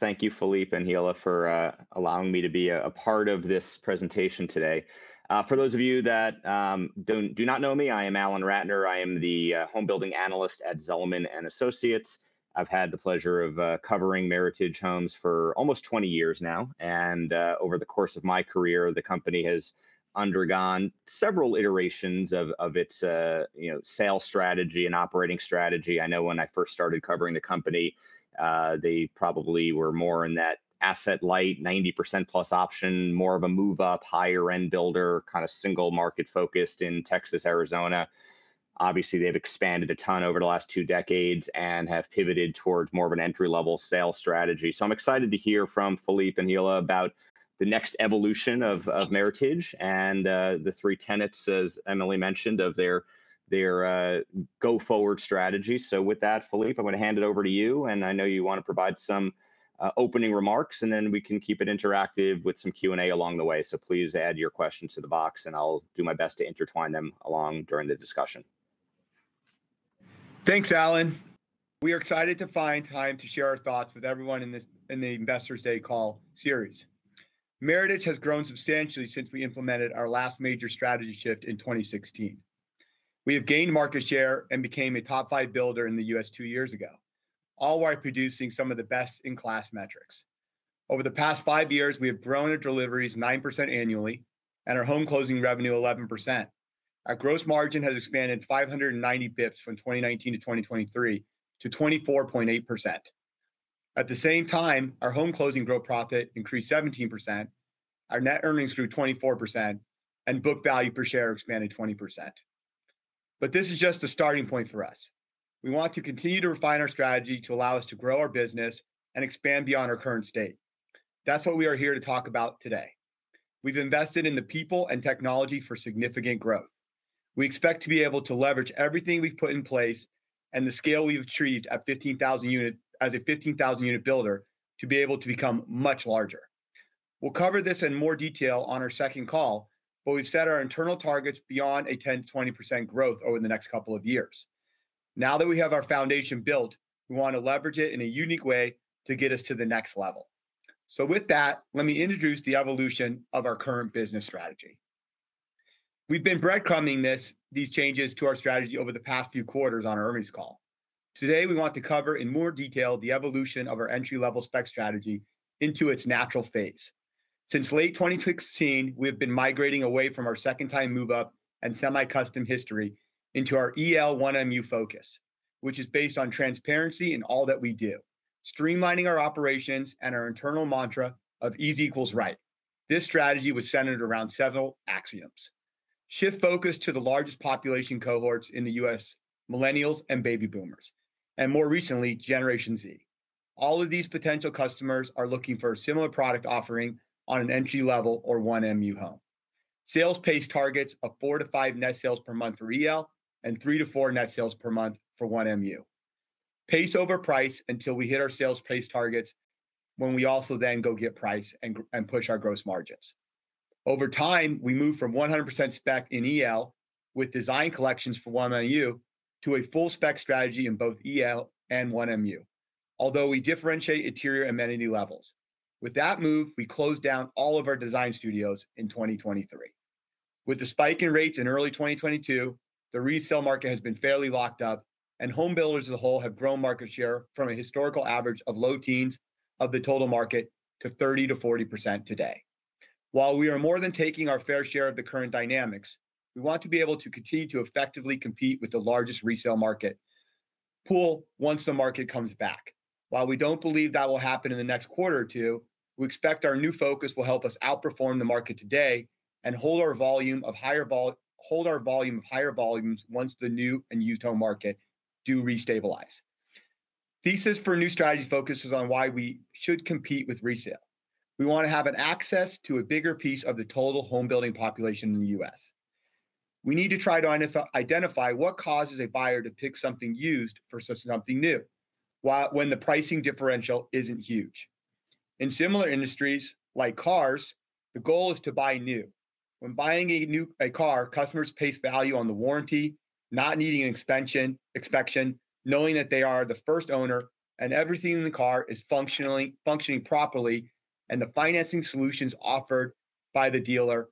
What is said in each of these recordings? Thank you, Phillippe and Hilla, for allowing me to be a part of this presentation today. For those of you that do not know me, I am Alan Ratner. I am the Home Building Analyst at Zelman & Associates. I've had the pleasure of covering Meritage Homes for almost 20 years now, and over the course of my career, the company has undergone several iterations of its you know sales strategy and operating strategy. I know when I first started covering the company, they probably were more in that asset light, 90%+ option, more of a move-up, higher-end builder, kind of single-market focused in Texas, Arizona. Obviously, they've expanded a ton over the last two decades and have pivoted towards more of an entry-level sales strategy. So I'm excited to hear from Phillippe and Hilla about the next evolution of, of Meritage and, the three tenets, as Emily mentioned, of their, their, go-forward strategy. So with that, Phillippe, I'm going to hand it over to you, and I know you want to provide some, opening remarks, and then we can keep it interactive with some Q&A along the way. So please add your questions to the box, and I'll do my best to intertwine them along during the discussion. Thanks, Alan. We are excited to find time to share our thoughts with everyone in this Investors Day Call series. Meritage has grown substantially since we implemented our last major strategy shift in 2016. We have gained market share and became a top five builder in the U.S. two years ago, all while producing some of the best-in-class metrics. Over the past five years, we have grown our deliveries 9% annually and our home closing revenue 11%. Our gross margin has expanded 590 bps from 2019 to 2023 to 24.8%. At the same time, our home closing gross profit increased 17%, our net earnings grew 24%, and book value per share expanded 20%. But this is just the starting point for us. We want to continue to refine our strategy to allow us to grow our business and expand beyond our current state. That's what we are here to talk about today. We've invested in the people and technology for significant growth. We expect to be able to leverage everything we've put in place and the scale we've achieved at 15,000 unit as a 15,000-unit builder, to be able to become much larger. We'll cover this in more detail on our second call, but we've set our internal targets beyond a 10%-20% growth over the next couple of years. Now that we have our foundation built, we want to leverage it in a unique way to get us to the next level. So with that, let me introduce the evolution of our current business strategy. We've been breadcrumbing this, these changes to our strategy over the past few quarters on our earnings call. Today, we want to cover in more detail the evolution of our entry-level spec strategy into its natural phase. Since late 2016, we have been migrating away from our second time move-up and semi-custom history into our EL, 1MU focus, which is based on transparency in all that we do, streamlining our operations and our internal mantra of Easy Equals Right. This strategy was centered around several axioms: Shift focus to the largest population cohorts in the U.S., millennials and baby boomers, and more recently, Generation Z. All of these potential customers are looking for a similar product offering on an entry-level or 1MU home. Sales pace targets of four to five net sales per month for EL and three to four net sales per month for 1MU. Pace over price until we hit our sales pace targets, when we also then go get price and push our gross margins. Over time, we move from 100% spec in EL with design collections for 1MU to a full spec strategy in both EL and 1MU, although we differentiate interior amenity levels. With that move, we closed down all of our design studios in 2023. With the spike in rates in early 2022, the resale market has been fairly locked up, and home builders as a whole have grown market share from a historical average of low teens of the total market to 30%-40% today. While we are more than taking our fair share of the current dynamics, we want to be able to continue to effectively compete with the largest resale market pool once the market comes back. While we don't believe that will happen in the next quarter or two, we expect our new focus will help us outperform the market today and hold our volume of higher volumes once the new and used home market do restabilize. Thesis for new strategy focuses on why we should compete with resale. We want to have an access to a bigger piece of the total home building population in the U.S. We need to try to identify what causes a buyer to pick something used versus something new, when the pricing differential isn't huge. In similar industries, like cars, the goal is to buy new. When buying a new car, customers place value on the warranty, not needing an extension, inspection, knowing that they are the first owner, and everything in the car is functioning properly, and the financing solutions offered by the dealer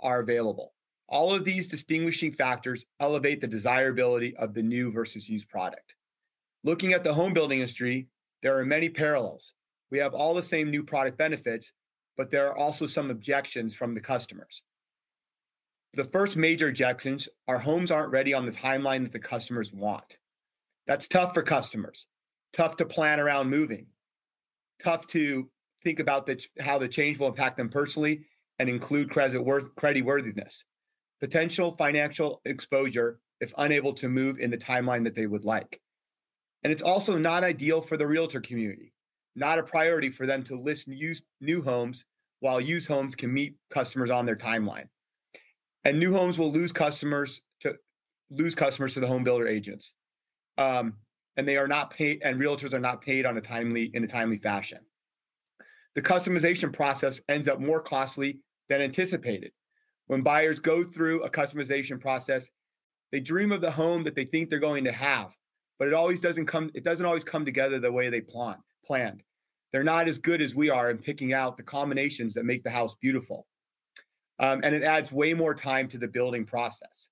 are available. All of these distinguishing factors elevate the desirability of the new versus used product. Looking at the home building industry, there are many parallels. We have all the same new product benefits, but there are also some objections from the customers. The first major objections, our homes aren't ready on the timeline that the customers want. That's tough for customers, tough to plan around moving, tough to think about how the change will impact them personally and include creditworthiness, potential financial exposure, if unable to move in the timeline that they would like. It's also not ideal for the Realtor community, not a priority for them to list new homes, while used homes can meet customers on their timeline. New homes will lose customers to the home builder agents, and Realtors are not paid in a timely fashion. The customization process ends up more costly than anticipated. When buyers go through a customization process, they dream of the home that they think they're going to have, but it doesn't always come together the way they planned. They're not as good as we are in picking out the combinations that make the house beautiful. And it adds way more time to the building process,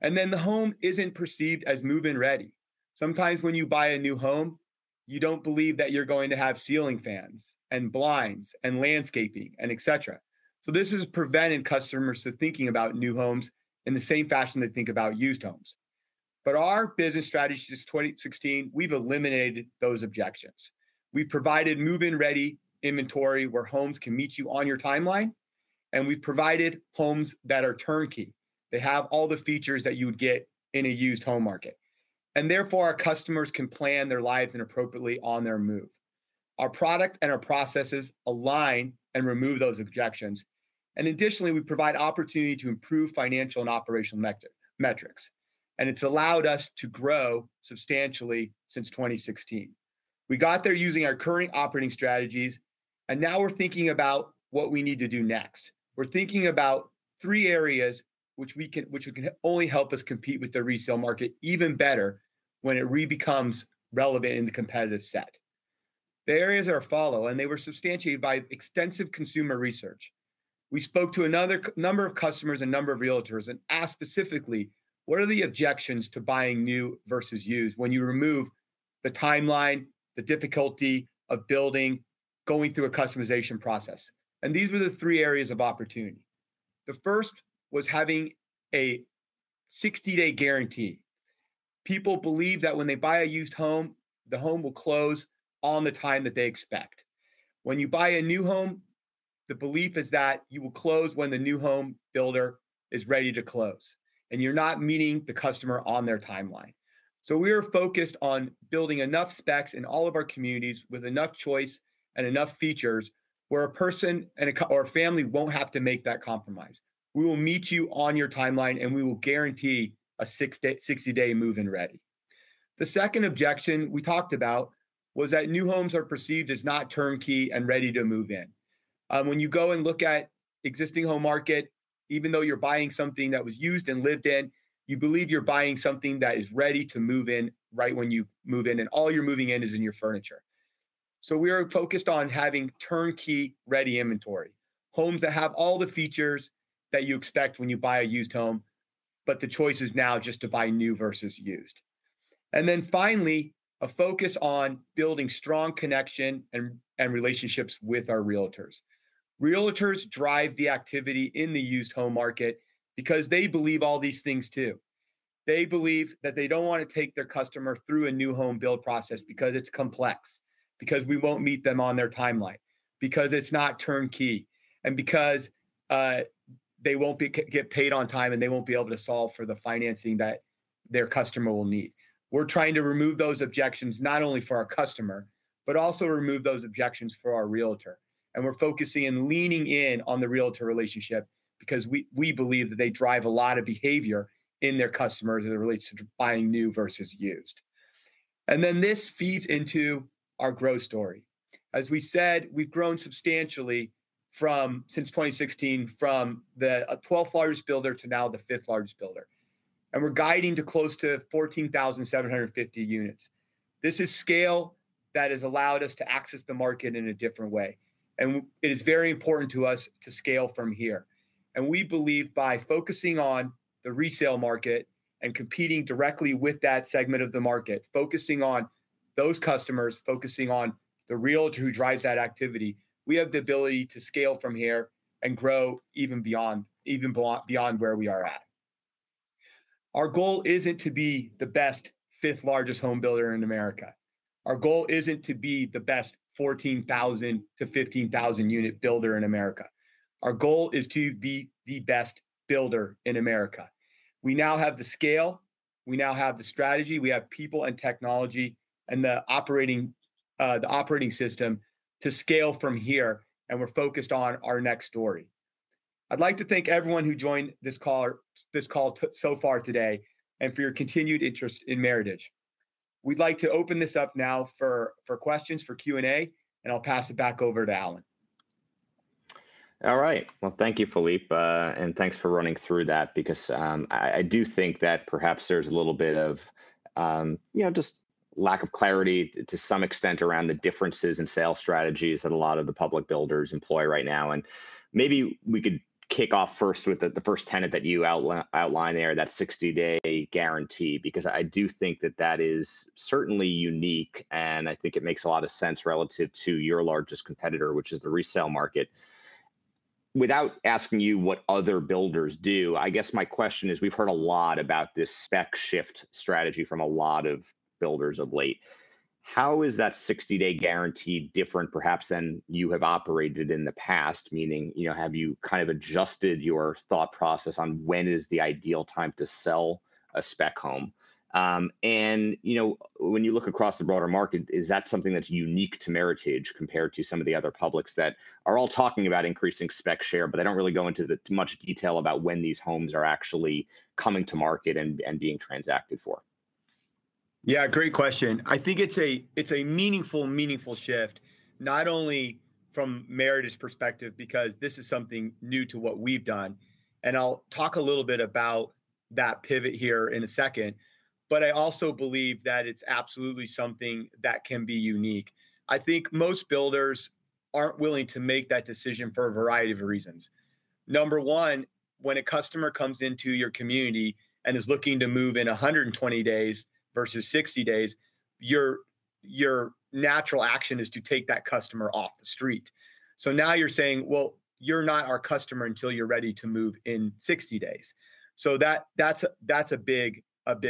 and then the home isn't perceived as move-in ready. Sometimes when you buy a new home, you don't believe that you're going to have ceiling fans and blinds and landscaping and et cetera. So this has prevented customers to thinking about new homes in the same fashion they think about used homes. But our business strategy since 2016, we've eliminated those objections. We've provided move-in-ready inventory, where homes can meet you on your timeline, and we've provided homes that are turnkey. They have all the features that you would get in a used home market, and therefore, our customers can plan their lives and appropriately on their move. Our product and our processes align and remove those objections, and additionally, we provide opportunity to improve financial and operational metrics, and it's allowed us to grow substantially since 2016. We got there using our current operating strategies, and now we're thinking about what we need to do next. We're thinking about three areas which can only help us compete with the resale market even better when it re-becomes relevant in the competitive set. The areas are as follow, and they were substantiated by extensive consumer research. We spoke to a certain number of customers and a number of Realtors and asked specifically, "What are the objections to buying new versus used when you remove the timeline, the difficulty of building, going through a customization process?" These were the three areas of opportunity. The first was having a 60-day guarantee. People believe that when they buy a used home, the home will close on the time that they expect. When you buy a new home, the belief is that you will close when the new home builder is ready to close, and you're not meeting the customer on their timeline. So we are focused on building enough specs in all of our communities with enough choice and enough features, where a person and a couple or a family won't have to make that compromise. We will meet you on your timeline, and we will guarantee a 60-day move-in ready. The second objection we talked about was that new homes are perceived as not turnkey and ready to move in. When you go and look at existing home market, even though you're buying something that was used and lived in, you believe you're buying something that is ready to move in, right when you move in, and all you're moving in is in your furniture. So we are focused on having turnkey-ready inventory, homes that have all the features that you expect when you buy a used home, but the choice is now just to buy new versus used. And then finally, a focus on building strong connection and, and relationships with our Realtors. Realtors drive the activity in the used home market because they believe all these things, too. They believe that they don't want to take their customer through a new home build process because it's complex, because we won't meet them on their timeline, because it's not turnkey, and because they won't get paid on time, and they won't be able to solve for the financing that their customer will need. We're trying to remove those objections not only for our customer, but also remove those objections for our Realtor, and we're focusing and leaning in on the Realtor relationship because we, we believe that they drive a lot of behavior in their customers as it relates to buying new versus used. And then this feeds into our growth story. As we said, we've grown substantially from since 2016, from the 12th largest builder to now the fifth largest builder, and we're guiding to close to 14,750 units. This is scale that has allowed us to access the market in a different way, and it is very important to us to scale from here. We believe by focusing on the resale market and competing directly with that segment of the market, focusing on those customers, focusing on the Realtor who drives that activity, we have the ability to scale from here and grow even beyond where we are at. Our goal isn't to be the best fifth largest home builder in America. Our goal isn't to be the best 14,000-15,000 unit builder in America. Our goal is to be the best builder in America. We now have the scale, we now have the strategy, we have people and technology and the operating, the operating system to scale from here, and we're focused on our next story. I'd like to thank everyone who joined this call so far today and for your continued interest in Meritage. We'd like to open this up now for questions, for Q&A, and I'll pass it back over to Alan. All right. Well, thank you, Phillippe, and thanks for running through that because I do think that perhaps there's a little bit of, you know, just lack of clarity to some extent around the differences in sales strategies that a lot of the public builders employ right now. And maybe we could kick off first with the first tenet that you outlined there, that 60-day guarantee, because I do think that that is certainly unique, and I think it makes a lot of sense relative to your largest competitor, which is the resale market. Without asking you what other builders do, I guess my question is, we've heard a lot about this spec shift strategy from a lot of builders of late. How is that 60-day guarantee different, perhaps, than you have operated in the past? Meaning, you know, have you kind of adjusted your thought process on when is the ideal time to sell a spec home? And, you know, when you look across the broader market, is that something that's unique to Meritage compared to some of the other publics that are all talking about increasing spec share, but they don't really go into much detail about when these homes are actually coming to market and being transacted for? Yeah, great question. I think it's a meaningful shift, not only from Meritage's perspective, because this is something new to what we've done, and I'll talk a little bit about that pivot here in a second, but I also believe that it's absolutely something that can be unique. I think most builders aren't willing to make that decision for a variety of reasons. Number one, when a customer comes into your community and is looking to move in 120 days versus 60 days, your natural action is to take that customer off the street. So now you're saying, "Well, you're not our customer until you're ready to move in 60 days," so that's a big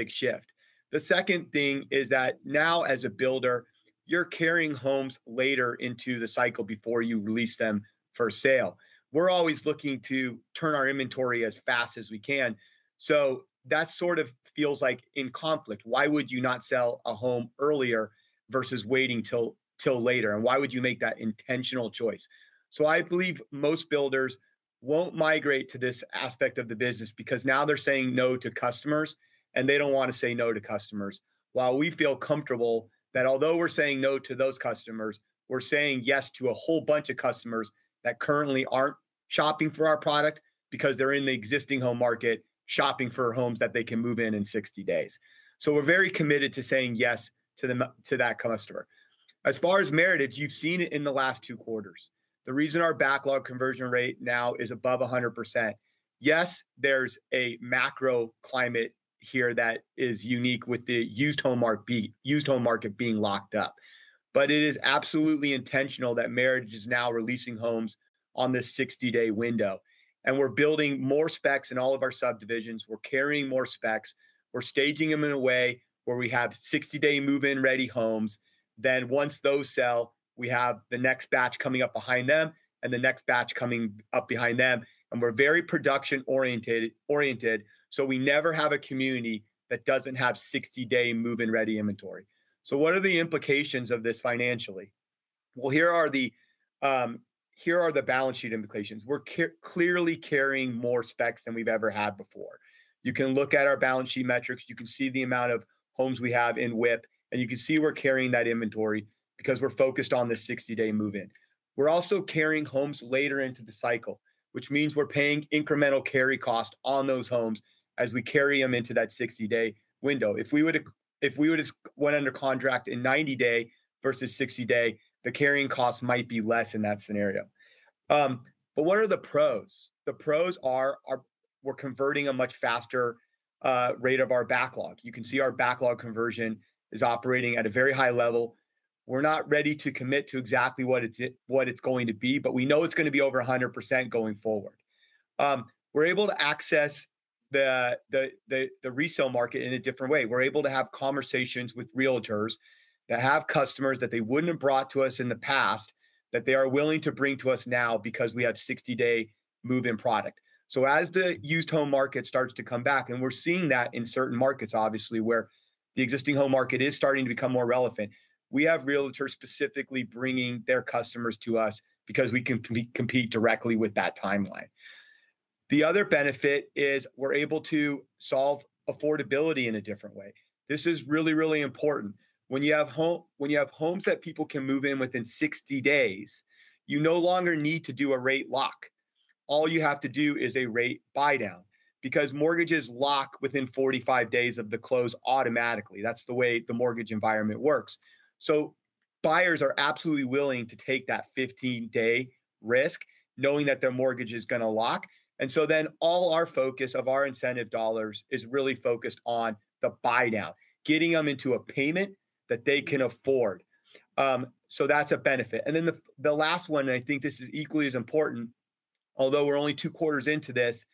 shift. The second thing is that now, as a builder, you're carrying homes later into the cycle before you release them for sale. We're always looking to turn our inventory as fast as we can, so that sort of feels like in conflict. Why would you not sell a home earlier versus waiting till later? And why would you make that intentional choice? So I believe most builders won't migrate to this aspect of the business, because now they're saying no to customers, and they don't wanna say no to customers. While we feel comfortable that although we're saying no to those customers, we're saying yes to a whole bunch of customers that currently aren't shopping for our product because they're in the existing home market, shopping for homes that they can move in in 60 days. So we're very committed to saying yes to the to that customer. As far as Meritage, you've seen it in the last two quarters. The reason our backlog conversion rate now is above 100%: yes, there's a macro climate here that is unique with the used home market being locked up, but it is absolutely intentional that Meritage is now releasing homes on this 60-day window. And we're building more specs in all of our subdivisions. We're carrying more specs. We're staging them in a way where we have 60-day move-in-ready homes. Then, once those sell, we have the next batch coming up behind them and the next batch coming up behind them, and we're very production-oriented, so we never have a community that doesn't have 60-day move-in-ready inventory. So what are the implications of this financially? Well, here are the balance sheet implications. We're clearly carrying more specs than we've ever had before. You can look at our balance sheet metrics. You can see the amount of homes we have in WIP, and you can see we're carrying that inventory because we're focused on this 60-day move-in. We're also carrying homes later into the cycle, which means we're paying incremental carry cost on those homes as we carry them into that 60-day window. If we would've went under contract in 90-day versus 60-day, the carrying cost might be less in that scenario. But what are the pros? The pros are we're converting a much faster rate of our backlog. You can see our backlog conversion is operating at a very high level. We're not ready to commit to exactly what it's going to be, but we know it's gonna be over 100% going forward. We're able to access the resale market in a different way. We're able to have conversations with Realtors that have customers that they wouldn't have brought to us in the past, that they are willing to bring to us now because we have 60-day move-in product. So as the used home market starts to come back, and we're seeing that in certain markets, obviously, where the existing home market is starting to become more relevant, we have Realtors specifically bringing their customers to us because we can compete directly with that timeline. The other benefit is we're able to solve affordability in a different way. This is really, really important. When you have homes that people can move in within 60 days, you no longer need to do a rate lock. All you have to do is a rate buydown, because mortgages lock within 45 days of the close automatically. That's the way the mortgage environment works. So buyers are absolutely willing to take that 15-day risk, knowing that their mortgage is gonna lock, and so then all our focus of our incentive dollars is really focused on the buydown, getting them into a payment that they can afford. So that's a benefit. And then the last one, and I think this is equally as important, although we're only two quarters into this,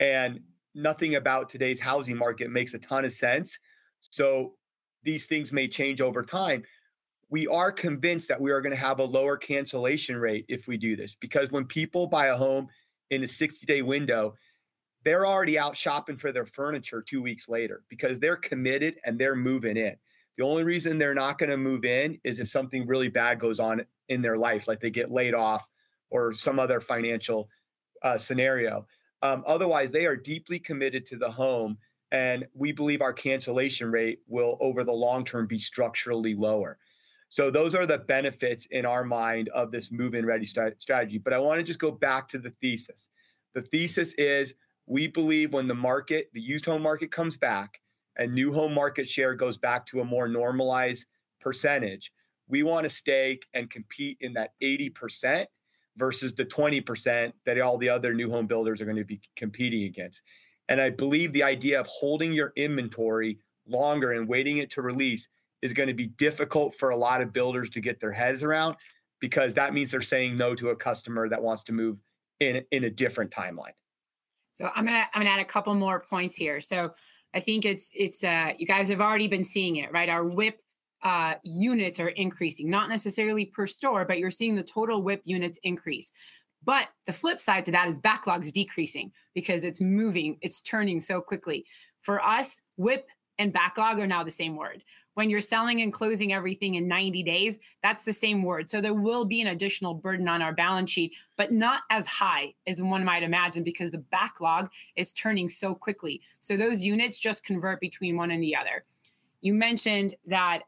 and nothing about today's housing market makes a ton of sense, so these things may change over time. We are convinced that we are gonna have a lower cancellation rate if we do this, because when people buy a home in a 60-day window, they're already out shopping for their furniture two weeks later because they're committed, and they're moving in. The only reason they're not gonna move in is if something really bad goes on in their life, like they get laid off or some other financial scenario. Otherwise, they are deeply committed to the home, and we believe our cancellation rate will, over the long term, be structurally lower. So those are the benefits in our mind of this move-in-ready strategy, but I wanna just go back to the thesis. The thesis is we believe when the market, the used home market, comes back and new home market share goes back to a more normalized percentage, we wanna stay and compete in that 80% versus the 20% that all the other new home builders are gonna be competing against. I believe the idea of holding your inventory longer and waiting it to release is gonna be difficult for a lot of builders to get their heads around because that means they're saying no to a customer that wants to move in, in a different timeline. So I'm gonna, I'm gonna add a couple more points here. So I think it's, it's you guys have already been seeing it, right? Our WIP units are increasing, not necessarily per store, but you're seeing the total WIP units increase. But the flip side to that is backlog's decreasing because it's moving, it's turning so quickly. For us, WIP and backlog are now the same word. When you're selling and closing everything in 90 days, that's the same word. So there will be an additional burden on our balance sheet, but not as high as one might imagine, because the backlog is turning so quickly, so those units just convert between one and the other. You mentioned that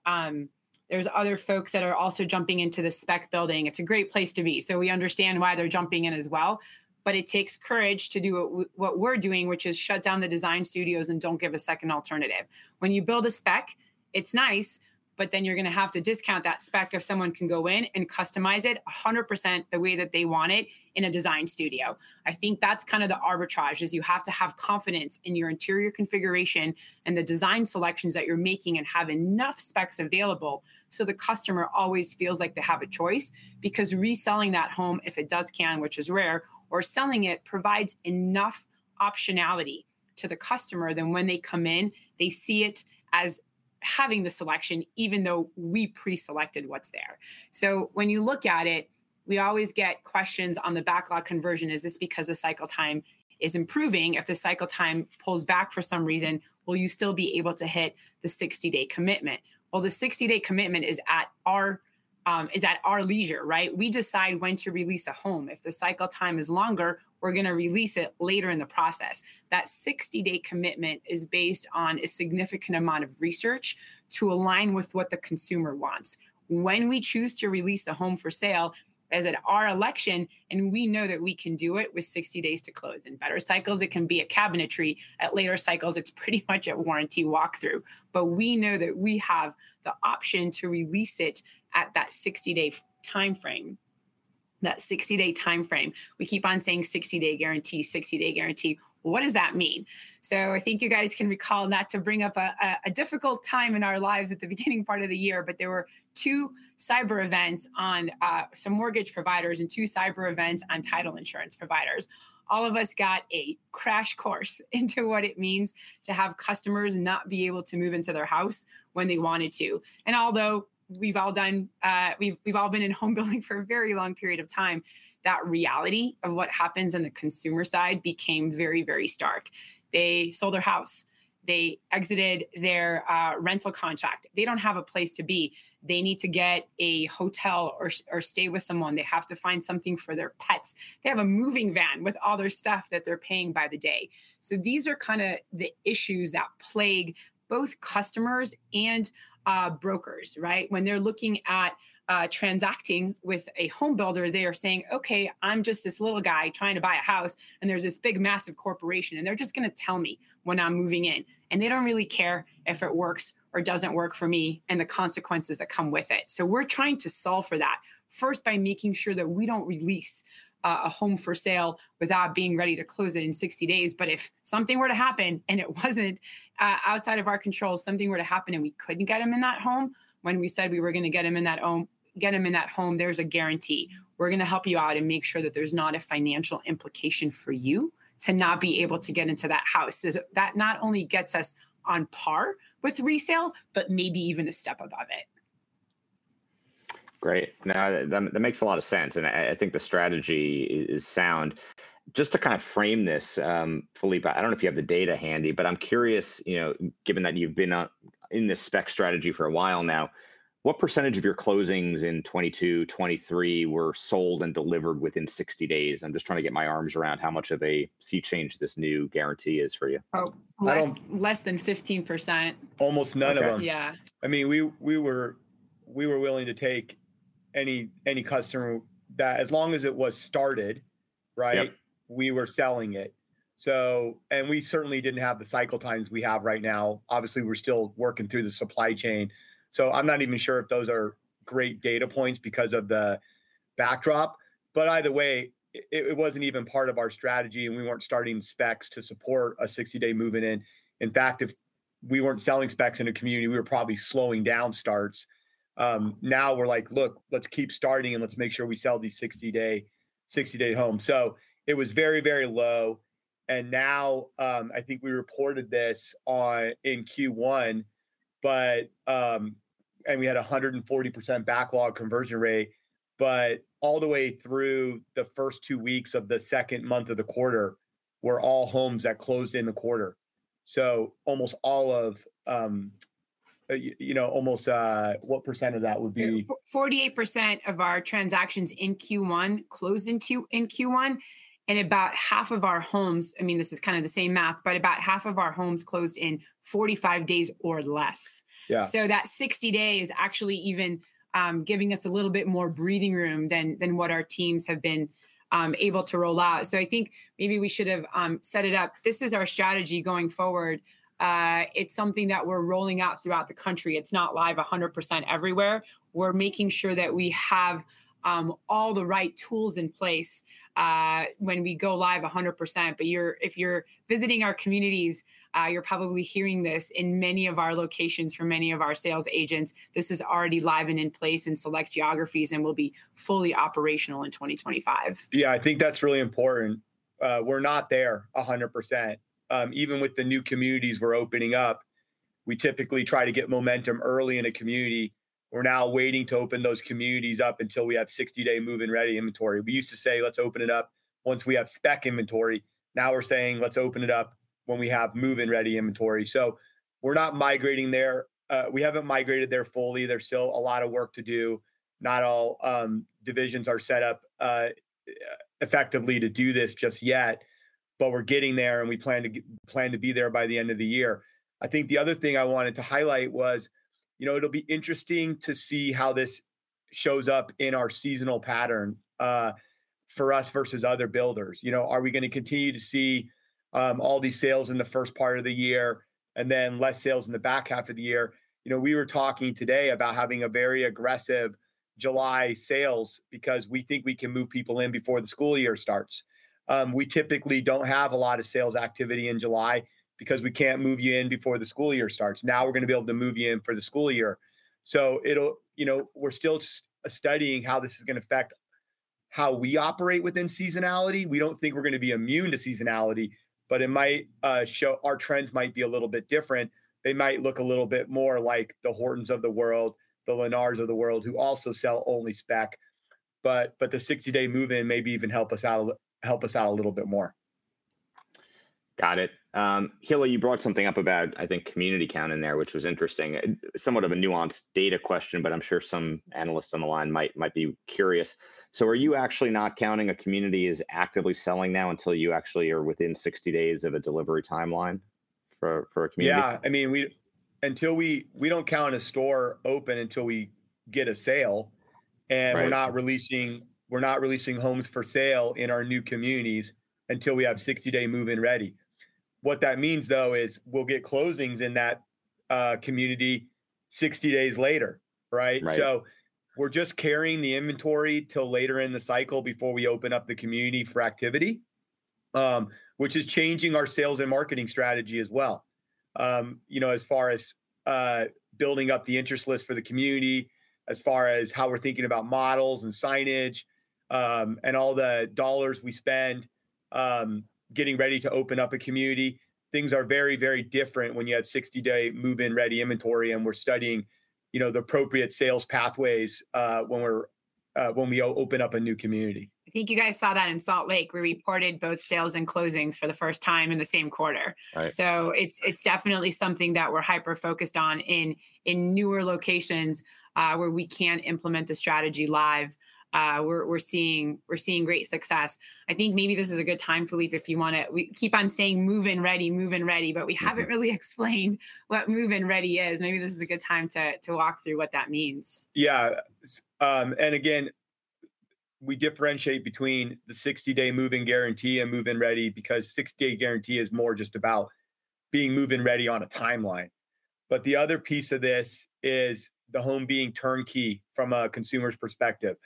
there's other folks that are also jumping into the spec building. It's a great place to be, so we understand why they're jumping in as well. But it takes courage to do what we're doing, which is shut down the design studios and don't give a second alternative. When you build a spec, it's nice, but then you're gonna have to discount that spec if someone can go in and customize it 100% the way that they want it in a design studio. I think that's kind of the arbitrage, is you have to have confidence in your interior configuration and the design selections that you're making, and have enough specs available so the customer always feels like they have a choice. Because reselling that home, if it does can, which is rare, or selling it, provides enough optionality to the customer, then when they come in, they see it as having the selection, even though we pre-selected what's there. So when you look at it, we always get questions on the backlog conversion. Is this because the cycle time is improving? If the cycle time pulls back for some reason, will you still be able to hit the 60-day commitment? Well, the 60-day commitment is at our leisure, right? We decide when to release a home. If the cycle time is longer, we're gonna release it later in the process. That 60-day commitment is based on a significant amount of research to align with what the consumer wants. When we choose to release the home for sale is at our election, and we know that we can do it with 60 days to close. In better cycles, it can be at cabinetry. At later cycles, it's pretty much a warranty walkthrough. But we know that we have the option to release it at that 60-day timeframe, that 60-day timeframe. We keep on saying 60-day guarantee, 60-day guarantee. What does that mean? So I think you guys can recall, not to bring up a difficult time in our lives at the beginning part of the year, but there were two cyber events on some mortgage providers, and two cyber events on title insurance providers. All of us got a crash course into what it means to have customers not be able to move into their house when they wanted to. And although we've all been in home building for a very long period of time, that reality of what happens on the consumer side became very, very stark. They sold their house. They exited their rental contract. They don't have a place to be. They need to get a hotel or stay with someone. They have to find something for their pets. They have a moving van with all their stuff that they're paying by the day. So these are kind of the issues that plague both customers and brokers, right? When they're looking at transacting with a home builder, they are saying, "Okay, I'm just this little guy trying to buy a house, and there's this big, massive corporation. And they're just gonna tell me when I'm moving in, and they don't really care if it works or doesn't work for me, and the consequences that come with it." So we're trying to solve for that, first, by making sure that we don't release a home for sale without being ready to close it in 60 days. But if something were to happen, and it wasn't outside of our control, something were to happen and we couldn't get them in that home when we said we were gonna get them in that home, there's a guarantee. We're gonna help you out and make sure that there's not a financial implication for you to not be able to get into that house. So that not only gets us on par with resale, but maybe even a step above it. Great. No, that makes a lot of sense, and I think the strategy is sound. Just to kind of frame this, Phillippe, I don't know if you have the data handy, but I'm curious, you know, given that you've been in this spec strategy for a while now, what percentage of your closings in 2022, 2023, were sold and delivered within 60 days? I'm just trying to get my arms around how much of a sea change this new guarantee is for you. Oh- I don't- Less than 15%. Almost none of them. Okay. Yeah. I mean, we were willing to take any customer that, as long as it was started, right? Yep. We were selling it, so... And we certainly didn't have the cycle times we have right now. Obviously, we're still working through the supply chain, so I'm not even sure if those are great data points because of the backdrop. But either way, it wasn't even part of our strategy, and we weren't starting specs to support a 60-day move-in in. In fact, if we weren't selling specs in a community, we were probably slowing down starts. Now we're like, "Look, let's keep starting, and let's make sure we sell these 60-day, 60-day home." So it was very, very low, and now, I think we reported this in Q1. And we had 140% backlog conversion rate. But all the way through the first 2 weeks of the second month of the quarter were all homes that closed in the quarter. So almost all of, you know, almost what percent of that would be? Yeah, 48% of our transactions in Q1 closed in Q1, and about half of our homes. I mean, this is kind of the same math, but about half of our homes closed in 45 days or less. Yeah. So that 60 days actually even giving us a little bit more breathing room than what our teams have been able to roll out. So I think maybe we should have set it up. This is our strategy going forward. It's something that we're rolling out throughout the country. It's not live 100% everywhere. We're making sure that we have all the right tools in place when we go live 100%. But if you're visiting our communities, you're probably hearing this in many of our locations from many of our sales agents. This is already live and in place in select geographies and will be fully operational in 2025. Yeah, I think that's really important. We're not there 100%. Even with the new communities we're opening up, we typically try to get momentum early in a community. We're now waiting to open those communities up until we have 60-day move-in-ready inventory. We used to say, "Let's open it up once we have spec inventory." Now we're saying, "Let's open it up when we have move-in-ready inventory." So we're not migrating there. We haven't migrated there fully. There's still a lot of work to do. Not all divisions are set up effectively to do this just yet. But we're getting there, and we plan to be there by the end of the year. I think the other thing I wanted to highlight was, you know, it'll be interesting to see how this shows up in our seasonal pattern for us versus other builders. You know, are we gonna continue to see all these sales in the first part of the year, and then less sales in the back half of the year? You know, we were talking today about having a very aggressive July sales because we think we can move people in before the school year starts. We typically don't have a lot of sales activity in July because we can't move you in before the school year starts. Now, we're gonna be able to move you in for the school year. So it'll you know, we're still studying how this is gonna affect how we operate within seasonality. We don't think we're gonna be immune to seasonality, but it might show our trends might be a little bit different. They might look a little bit more like the Hortons of the world, the Lennars of the world, who also sell only spec. But the 60-day move-in maybe even help us out a little bit more. Got it. Hilla, you brought something up about, I think, community count in there, which was interesting, and somewhat of a nuanced data question, but I'm sure some analysts on the line might be curious. So are you actually not counting a community as actively selling now until you actually are within 60 days of a delivery timeline for a community? Yeah, I mean, we don't count a store open until we get a sale. Right And we're not releasing, we're not releasing homes for sale in our new communities until we have 60-day Move-In Ready. What that means, though, is we'll get closings in that community 60 days later, right? Right. So we're just carrying the inventory till later in the cycle before we open up the community for activity, which is changing our sales and marketing strategy as well. You know, as far as building up the interest list for the community, as far as how we're thinking about models and signage, and all the dollars we spend getting ready to open up a community, things are very, very different when you have 60-day move-in-ready inventory, and we're studying, you know, the appropriate sales pathways when we're when we open up a new community. I think you guys saw that in Salt Lake, where we reported both sales and closings for the first time in the same quarter. Right. So it's definitely something that we're hyper-focused on in newer locations, where we can't implement the strategy live. We're seeing great success. I think maybe this is a good time, Phillippe, if you wanna. We keep on saying move-in ready, move-in ready, but we- Mm-hmm haven't really explained what Move-In Ready is. Maybe this is a good time to walk through what that means. Yeah. And again, we differentiate between the 60-Day Move-In Guarantee and Move-In Ready because 60-day guarantee is more just about being Move-In Ready on a timeline. But the other piece of this is the home being turnkey from a consumer's perspective,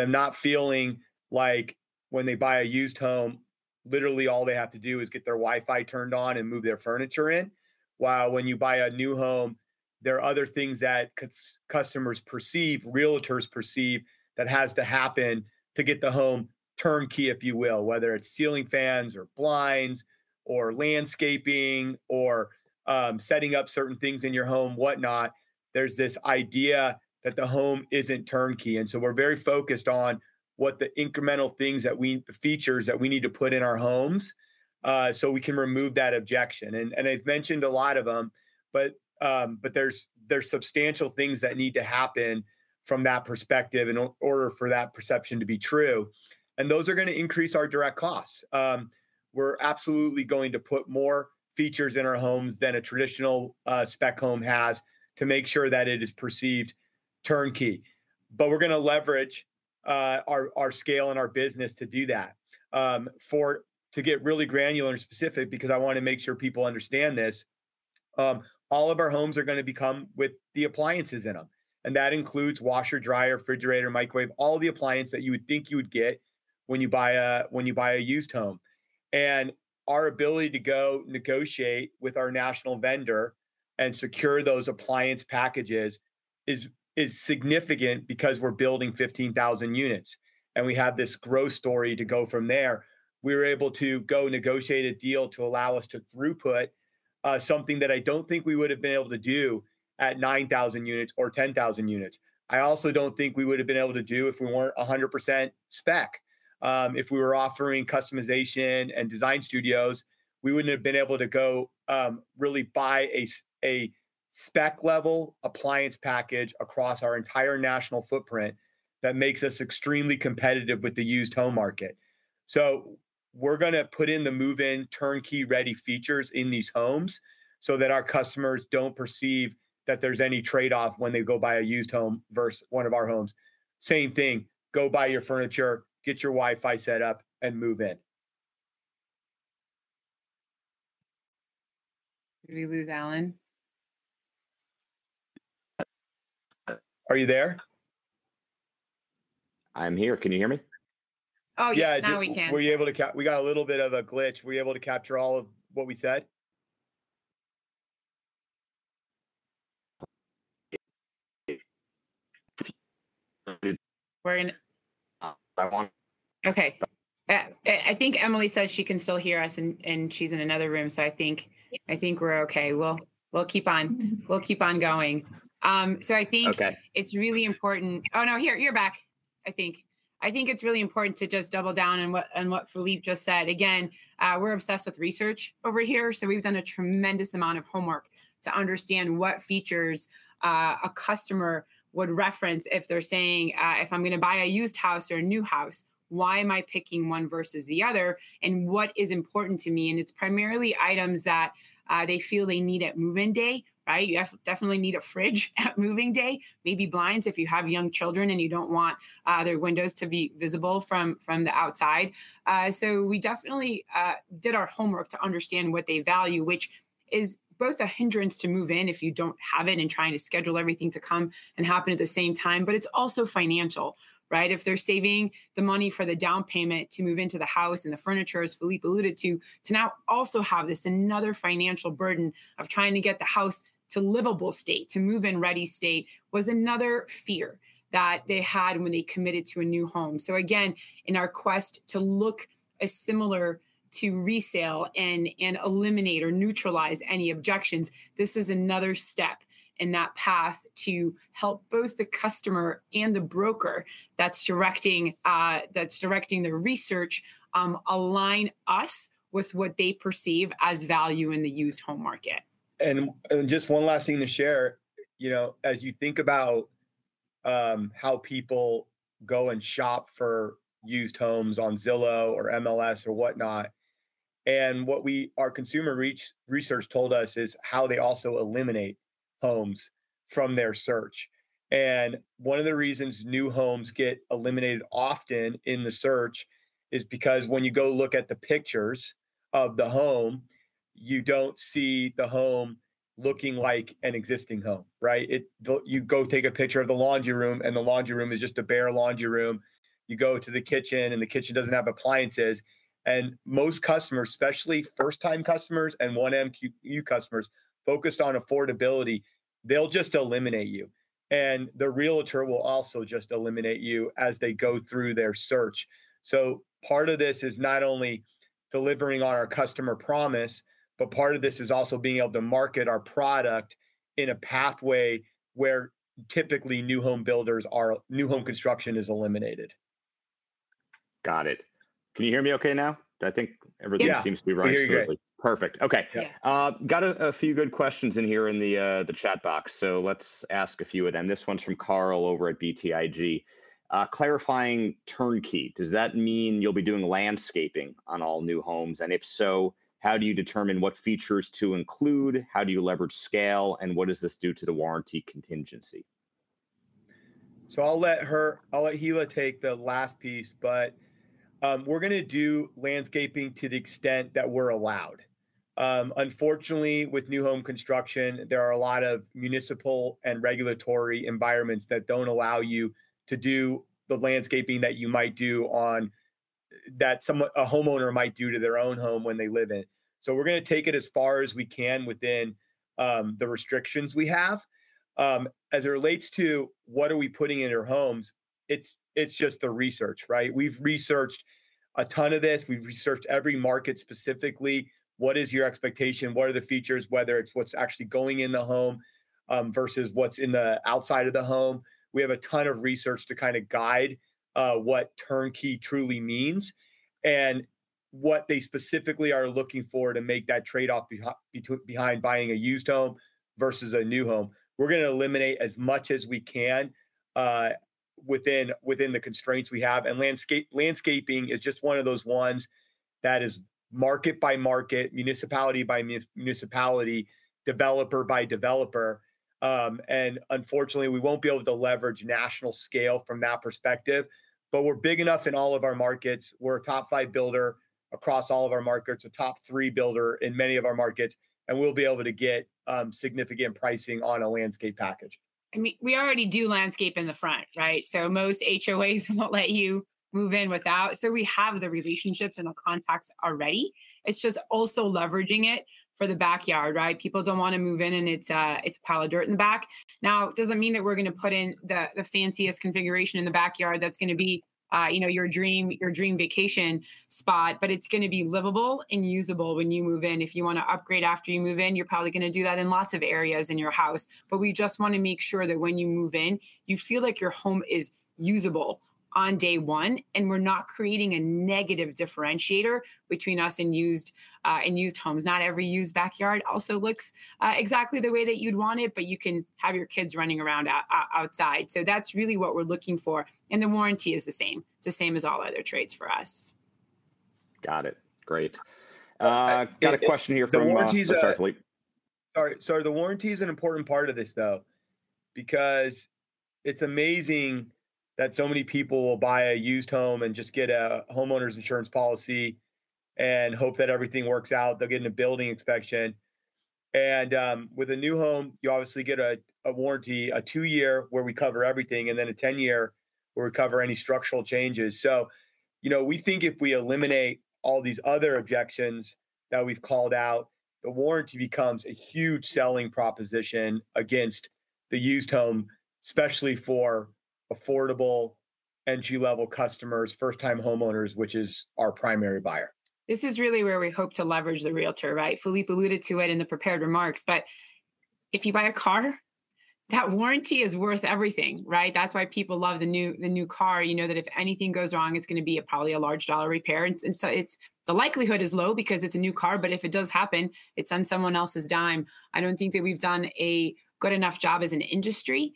them not feeling like when they buy a used home, literally all they have to do is get their Wi-Fi turned on and move their furniture in, while when you buy a new home, there are other things that customers perceive, Realtors perceive, that has to happen to get the home turnkey, if you will. Whether it's ceiling fans or blinds or landscaping or setting up certain things in your home, whatnot, there's this idea that the home isn't turnkey, and so we're very focused on what the incremental features that we need to put in our homes so we can remove that objection. I've mentioned a lot of them, but there's substantial things that need to happen from that perspective in order for that perception to be true, and those are gonna increase our direct costs. We're absolutely going to put more features in our homes than a traditional spec home has to make sure that it is perceived turnkey, but we're gonna leverage our scale and our business to do that. To get really granular and specific, because I wanna make sure people understand this, all of our homes are gonna become with the appliances in them, and that includes washer, dryer, refrigerator, microwave, all the appliances that you would think you would get when you buy a, when you buy a used home. And our ability to go negotiate with our national vendor and secure those appliance packages is significant because we're building 15,000 units, and we have this growth story to go from there. We were able to go negotiate a deal to allow us to throughput, something that I don't think we would've been able to do at 9,000 units or 10,000 units. I also don't think we would've been able to do if we weren't 100% spec. If we were offering customization and design studios, we wouldn't have been able to go really buy a spec-level appliance package across our entire national footprint that makes us extremely competitive with the used home market. So we're gonna put in the move-in, turnkey-ready features in these homes so that our customers don't perceive that there's any trade-off when they go buy a used home versus one of our homes. Same thing, go buy your furniture, get your Wi-Fi set up, and move in. Did we lose Alan? Are you there? I'm here. Can you hear me? Oh, yeah- Yeah, do- now we can. Were you able to? We got a little bit of a glitch. Were you able to capture all of what we said? We're in. That one. Okay. I think Emily says she can still hear us, and she's in another room, so I think we're okay. We'll keep on going. So I think- Okay It's really important. Oh, no, here, you're back. I think, I think it's really important to just double down on what, on what Phillippe just said. Again, we're obsessed with research over here, so we've done a tremendous amount of homework to understand what features, a customer would reference if they're saying, "If I'm gonna buy a used house or a new house, why am I picking one versus the other, and what is important to me?" And it's primarily items that, they feel they need at move-in day, right? You definitely need a fridge at moving day, maybe blinds if you have young children and you don't want, their windows to be visible from the outside. So we definitely did our homework to understand what they value, which is both a hindrance to move in if you don't have it, and trying to schedule everything to come and happen at the same time, but it's also financial, right? If they're saving the money for the down payment to move into the house, and the furniture, as Phillippe alluded to, to now also have this another financial burden of trying to get the house to livable state, to move-in ready state, was another fear that they had when they committed to a new home. So again, in our quest to look as similar to resale and eliminate or neutralize any objections, this is another step in that path to help both the customer and the broker that's directing their research align us with what they perceive as value in the used home market. Just one last thing to share, you know, as you think about how people go and shop for used homes on Zillow or MLS or whatnot, and what our consumer research told us is how they also eliminate homes from their search. One of the reasons new homes get eliminated often in the search is because when you go look at the pictures of the home, you don't see the home looking like an existing home, right? You go take a picture of the laundry room, and the laundry room is just a bare laundry room. You go to the kitchen, and the kitchen doesn't have appliances. And most customers, especially first-time customers and 1MU customers, focused on affordability, they'll just eliminate you, and the Realtor will also just eliminate you as they go through their search. Part of this is not only delivering on our customer promise, but part of this is also being able to market our product in a pathway where typically new home builders are... new home construction is eliminated. Got it. Can you hear me okay now? I think everything- Yeah seems to be running smoothly. We hear you guys. Perfect. Okay. Yeah. Got a few good questions in here in the chat box, so let's ask a few of them. This one's from Carl over at BTIG. "Clarifying turnkey, does that mean you'll be doing landscaping on all new homes? And if so, how do you determine what features to include, how do you leverage scale, and what does this do to the warranty contingency? So I'll let Hilla take the last piece, but we're gonna do landscaping to the extent that we're allowed. Unfortunately, with new home construction, there are a lot of municipal and regulatory environments that don't allow you to do the landscaping that you might do that a homeowner might do to their own home when they live in. So we're gonna take it as far as we can within the restrictions we have. As it relates to what are we putting in our homes, it's, it's just the research, right? We've researched a ton of this. We've researched every market, specifically, what is your expectation? What are the features, whether it's what's actually going in the home versus what's in the outside of the home? We have a ton of research to kind of guide what turnkey truly means and what they specifically are looking for to make that trade-off behind buying a used home versus a new home. We're gonna eliminate as much as we can within the constraints we have, and landscaping is just one of those ones that is market by market, municipality by municipality, developer by developer. Unfortunately, we won't be able to leverage national scale from that perspective, but we're big enough in all of our markets. We're a top five builder across all of our markets, a top three builder in many of our markets, and we'll be able to get significant pricing on a landscape package. And we already do landscape in the front, right? So most HOAs won't let you move in without. So we have the relationships and the contacts already. It's just also leveraging it for the backyard, right? People don't wanna move in and it's a pile of dirt in the back. Now, it doesn't mean that we're gonna put in the fanciest configuration in the backyard that's gonna be, you know, your dream vacation spot, but it's gonna be livable and usable when you move in. If you wanna upgrade after you move in, you're probably gonna do that in lots of areas in your house. But we just wanna make sure that when you move in, you feel like your home is usable on day one, and we're not creating a negative differentiator between us and used homes. Not every used backyard also looks exactly the way that you'd want it, but you can have your kids running around outside. So that's really what we're looking for, and the warranty is the same. It's the same as all other trades for us. Got it. Great. I, I- Got a question here from, The warranty's a- Sorry, Phillippe. Sorry. So the warranty is an important part of this, though, because it's amazing that so many people will buy a used home and just get a homeowner's insurance policy and hope that everything works out. They'll get a building inspection, and, with a new home, you obviously get a warranty, a two-year, where we cover everything, and then a 10-year, where we cover any structural changes. So, you know, we think if we eliminate all these other objections that we've called out, the warranty becomes a huge selling proposition against the used home, especially for affordable, entry-level customers, first-time homeowners, which is our primary buyer. This is really where we hope to leverage the Realtor, right? Phillippe alluded to it in the prepared remarks, but if you buy a car, that warranty is worth everything, right? That's why people love the new car. You know that if anything goes wrong, it's gonna be probably a large dollar repair, and so it's the likelihood is low because it's a new car, but if it does happen, it's on someone else's dime. I don't think that we've done a good enough job as an industry,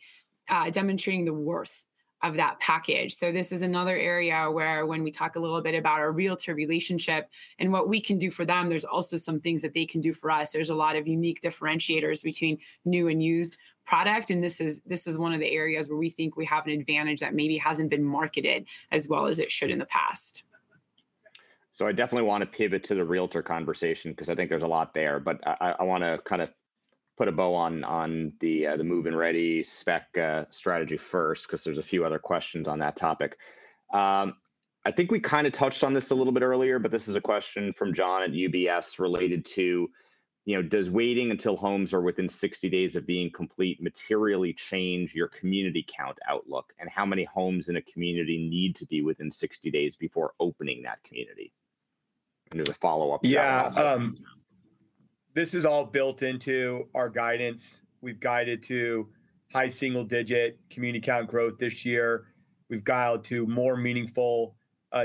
demonstrating the worth of that package. So this is another area where when we talk a little bit about our Realtor relationship and what we can do for them, there's also some things that they can do for us. There's a lot of unique differentiators between new and used product, and this is, this is one of the areas where we think we have an advantage that maybe hasn't been marketed as well as it should in the past. So I definitely wanna pivot to the Realtor conversation, 'cause I think there's a lot there. But I wanna kind of put a bow on, on the, the Move-In Ready Spec strategy first, 'cause there's a few other questions on that topic. I think we kind of touched on this a little bit earlier, but this is a question from John at UBS related to, you know, does waiting until homes are within 60 days of being complete materially change your community count outlook? And how many homes in a community need to be within 60 days before opening that community? And there's a follow-up to that also- Yeah, this is all built into our guidance. We've guided to high single-digit community count growth this year. We've guided to more meaningful,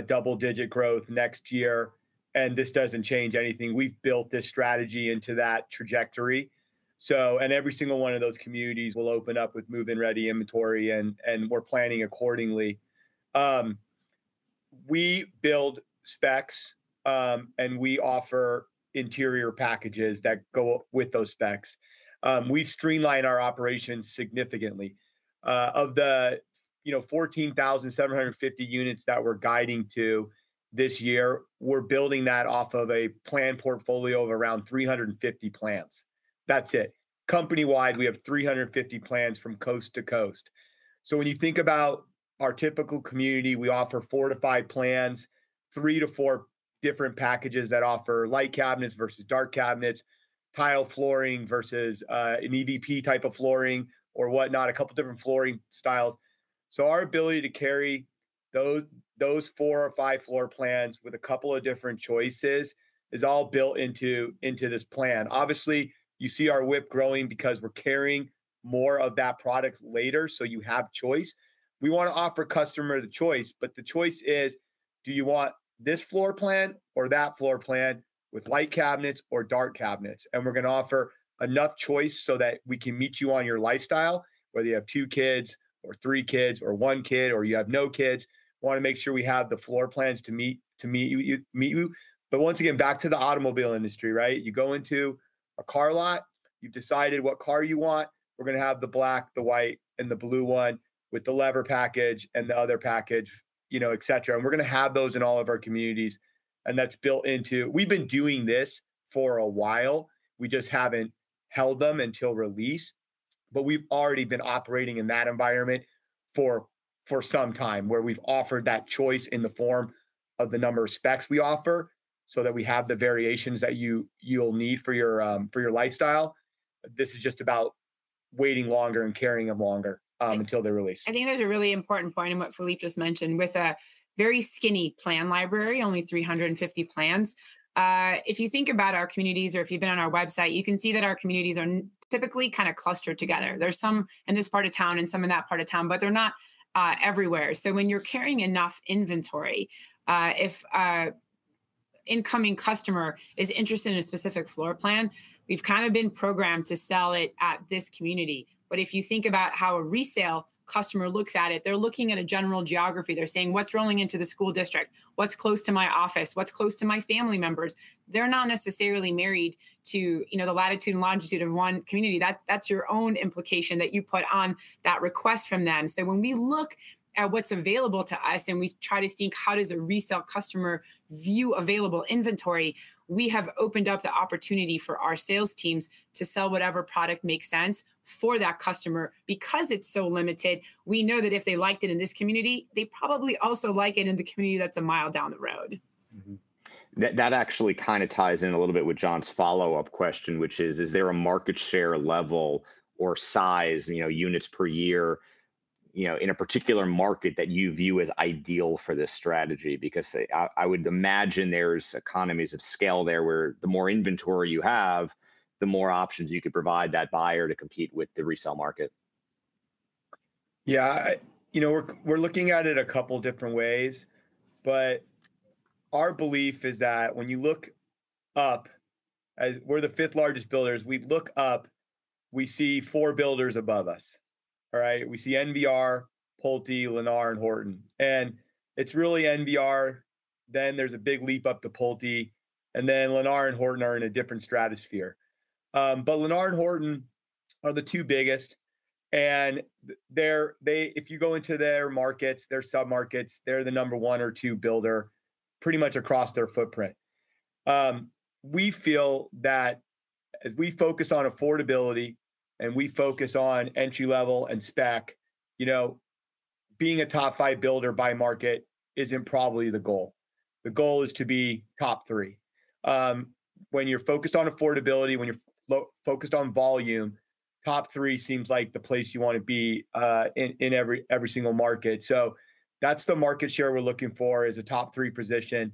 double-digit growth next year, and this doesn't change anything. We've built this strategy into that trajectory, so. Every single one of those communities will open up with move-in-ready inventory, and, and we're planning accordingly. We build specs, and we offer interior packages that go with those specs. We've streamlined our operations significantly. Of the, you know, 14,750 units that we're guiding to this year, we're building that off of a plan portfolio of around 350 plans. That's it. Company-wide, we have 350 plans from coast to coast. So when you think about our typical community, we offer four to five plans, three to four different packages that offer light cabinets versus dark cabinets, tile flooring versus an EVP type of flooring or whatnot, a couple different flooring styles. So our ability to carry those, those four to five floor plans with a couple of different choices is all built into, into this plan. Obviously, you see our WIP growing because we're carrying more of that product later, so you have choice. We wanna offer customer the choice, but the choice is, do you want this floor plan or that floor plan with light cabinets or dark cabinets? We're gonna offer enough choice so that we can meet you on your lifestyle, whether you have two kids or three kids or one kid or you have no kids, wanna make sure we have the floor plans to meet, to meet you, meet you. But once again, back to the automobile industry, right? You go into a car lot, you've decided what car you want. We're gonna have the black, the white, and the blue one with the leather package and the other package, you know, et cetera, and we're gonna have those in all of our communities, and that's built into. We've been doing this for a while. We just haven't held them until release. But we've already been operating in that environment for some time, where we've offered that choice in the form of the number of specs we offer, so that we have the variations that you'll need for your lifestyle. This is just about waiting longer and carrying them longer until they're released. I think there's a really important point in what Phillippe just mentioned. With a very skinny plan library, only 350 plans, if you think about our communities or if you've been on our website, you can see that our communities are typically kind of clustered together. There's some in this part of town and some in that part of town, but they're not everywhere. So when you're carrying enough inventory, if an incoming customer is interested in a specific floor plan, we've kind of been programmed to sell it at this community. But if you think about how a resale customer looks at it, they're looking at a general geography. They're saying, "What's rolling into the school district? What's close to my office? What's close to my family members?" They're not necessarily married to, you know, the latitude and longitude of one community. That's, that's your own implication that you put on that request from them. So when we look at what's available to us and we try to think, how does a resale customer view available inventory, we have opened up the opportunity for our sales teams to sell whatever product makes sense for that customer. Because it's so limited, we know that if they liked it in this community, they probably also like it in the community that's a mile down the road. Mm-hmm. That actually kind of ties in a little bit with John's follow-up question, which is: Is there a market share level or size, you know, units per year, you know, in a particular market that you view as ideal for this strategy? Because, say, I would imagine there's economies of scale there, where the more inventory you have, the more options you could provide that buyer to compete with the resale market. Yeah, you know, we're looking at it a couple different ways, but our belief is that when you look up, as we're the fifth-largest builders, we look up, we see four builders above us, right? We see NVR, Pulte, Lennar, and Horton. And it's really NVR, then there's a big leap up to Pulte, and then Lennar and Horton are in a different stratosphere. But Lennar and Horton are the two biggest, and they're, if you go into their markets, their submarkets, they're the number one or two builder pretty much across their footprint. We feel that as we focus on affordability and we focus on entry-level and spec, you know, being a top five builder by market isn't probably the goal. The goal is to be top three. When you're focused on affordability, when you're focused on volume, top three seems like the place you wanna be in every single market. So that's the market share we're looking for, is a top three position.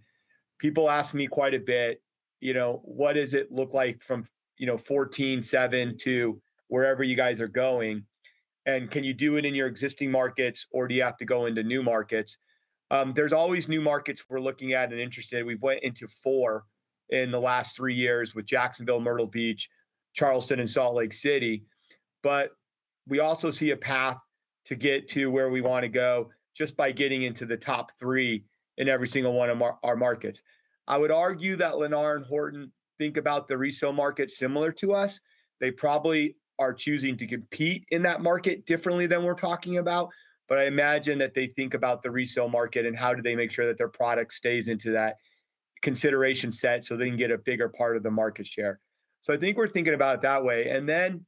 People ask me quite a bit, you know, "What does it look like from 147 to wherever you guys are going? And can you do it in your existing markets, or do you have to go into new markets?" There's always new markets we're looking at and interested in. We've went into four in the last three years with Jacksonville, Myrtle Beach, Charleston, and Salt Lake City. But we also see a path to get to where we want to go just by getting into the top three in every single one of our markets. I would argue that Lennar and Horton think about the resale market similar to us. They probably are choosing to compete in that market differently than we're talking about, but I imagine that they think about the resale market and how do they make sure that their product stays into that consideration set so they can get a bigger part of the market share. So I think we're thinking about it that way, and then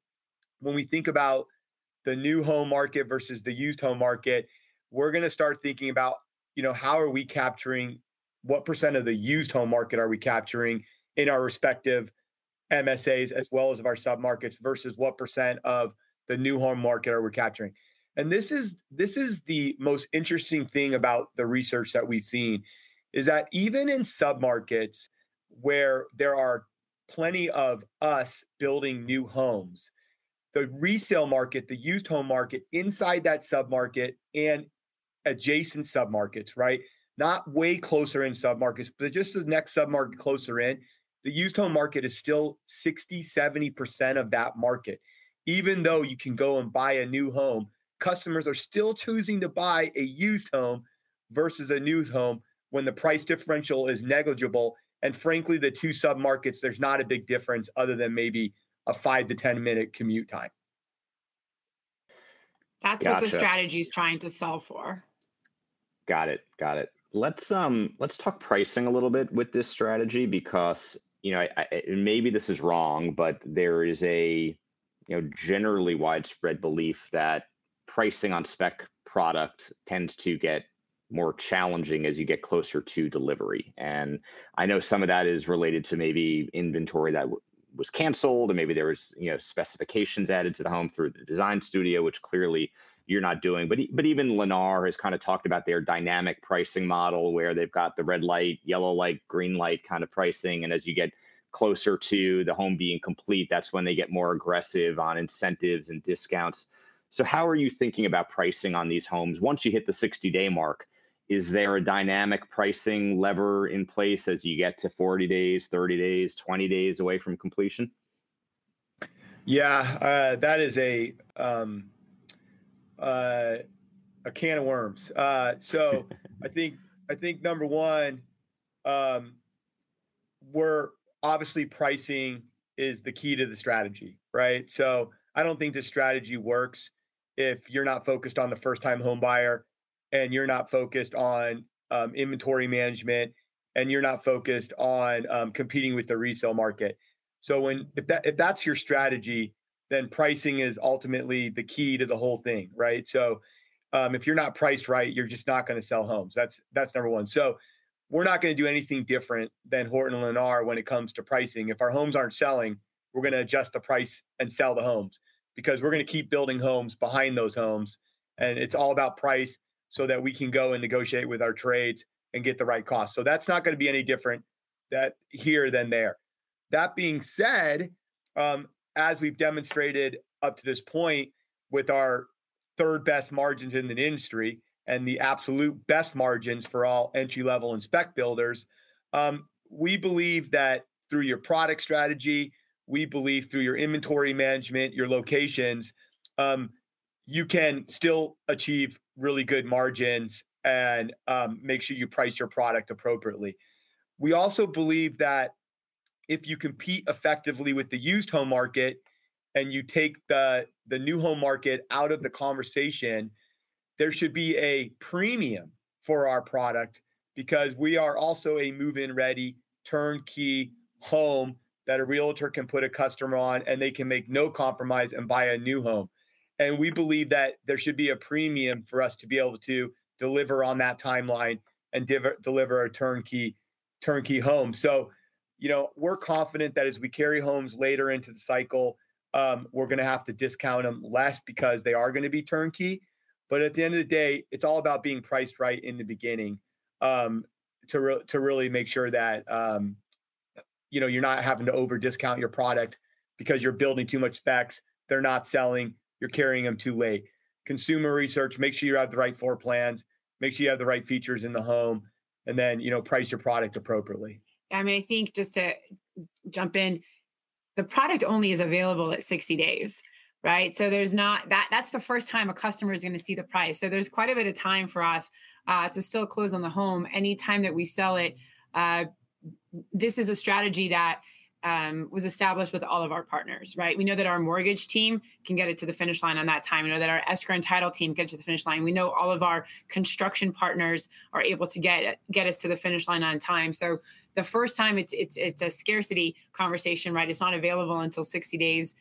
when we think about the new home market versus the used home market, we're gonna start thinking about, you know, how are we capturing. What percent of the used home market are we capturing in our respective MSAs as well as of our submarkets versus what percent of the new home market are we capturing? And this is, this is the most interesting thing about the research that we've seen, is that even in submarkets where there are plenty of us building new homes, the resale market, the used home market inside that submarket and adjacent submarkets, right? Not way closer in submarkets, but just the next submarket closer in, the used home market is still 60%-70% of that market. Even though you can go and buy a new home, customers are still choosing to buy a used home versus a new home when the price differential is negligible. And frankly, the two submarkets, there's not a big difference other than maybe a five to 10-minute commute time. That's what- Gotcha the strategy's trying to solve for. Got it. Got it. Let's talk pricing a little bit with this strategy because, you know, I and maybe this is wrong, but there is you know, generally widespread belief that pricing on spec product tends to get more challenging as you get closer to delivery. And I know some of that is related to maybe inventory that was canceled, or maybe there was, you know, specifications added to the home through the design studio, which clearly you're not doing. But but even Lennar has kind of talked about their dynamic pricing model, where they've got the red light, yellow light, green light kind of pricing, and as you get closer to the home being complete, that's when they get more aggressive on incentives and discounts. So how are you thinking about pricing on these homes? Once you hit the 60-day mark, is there a dynamic pricing lever in place as you get to 40 days, 30 days, 20 days away from completion? Yeah. That is a can of worms. So I think number one, obviously pricing is the key to the strategy, right? So I don't think this strategy works if you're not focused on the first-time home buyer, and you're not focused on inventory management, and you're not focused on competing with the resale market. If that's your strategy, then pricing is ultimately the key to the whole thing, right? So if you're not priced right, you're just not gonna sell homes. That's number one. So we're not gonna do anything different than Horton and Lennar when it comes to pricing. If our homes aren't selling, we're gonna adjust the price and sell the homes. Because we're gonna keep building homes behind those homes, and it's all about price so that we can go and negotiate with our trades and get the right cost. So that's not gonna be any different, that here than there. That being said, as we've demonstrated up to this point with our third-best margins in the industry and the absolute best margins for all entry-level and spec builders, we believe that through your product strategy, we believe through your inventory management, your locations, you can still achieve really good margins and, make sure you price your product appropriately. We also believe that if you compete effectively with the used home market, and you take the new home market out of the conversation, there should be a premium for our product because we are also a move-in ready, turnkey home that a Realtor can put a customer on, and they can make no compromise and buy a new home. And we believe that there should be a premium for us to be able to deliver on that timeline and deliver a turnkey, turnkey home. So, you know, we're confident that as we carry homes later into the cycle, we're gonna have to discount them less because they are gonna be turnkey. But at the end of the day, it's all about being priced right in the beginning, to really make sure that, you know, you're not having to over-discount your product because you're building too much specs. They're not selling. You're carrying them too late. Consumer research, make sure you have the right floor plans, make sure you have the right features in the home, and then, you know, price your product appropriately. I mean, I think just to jump in, the product only is available at 60 days, right? So there's not that, that's the first time a customer is gonna see the price, so there's quite a bit of time for us to still close on the home anytime that we sell it. This is a strategy that was established with all of our partners, right? We know that our mortgage team can get it to the finish line on that time. We know that our escrow and title team can get to the finish line. We know all of our construction partners are able to get us to the finish line on time. So the first time, it's a scarcity conversation, right? It's not available until 60 days.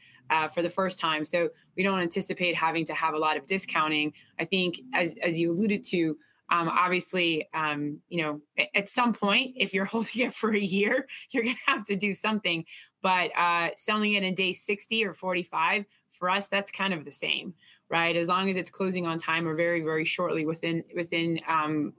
For the first time, so we don't anticipate having to have a lot of discounting. I think as you alluded to, obviously, you know, at some point, if you're holding it for a year, you're gonna have to do something. But selling it in day 60 or 45, for us, that's kind of the same, right? As long as it's closing on time or very, very shortly within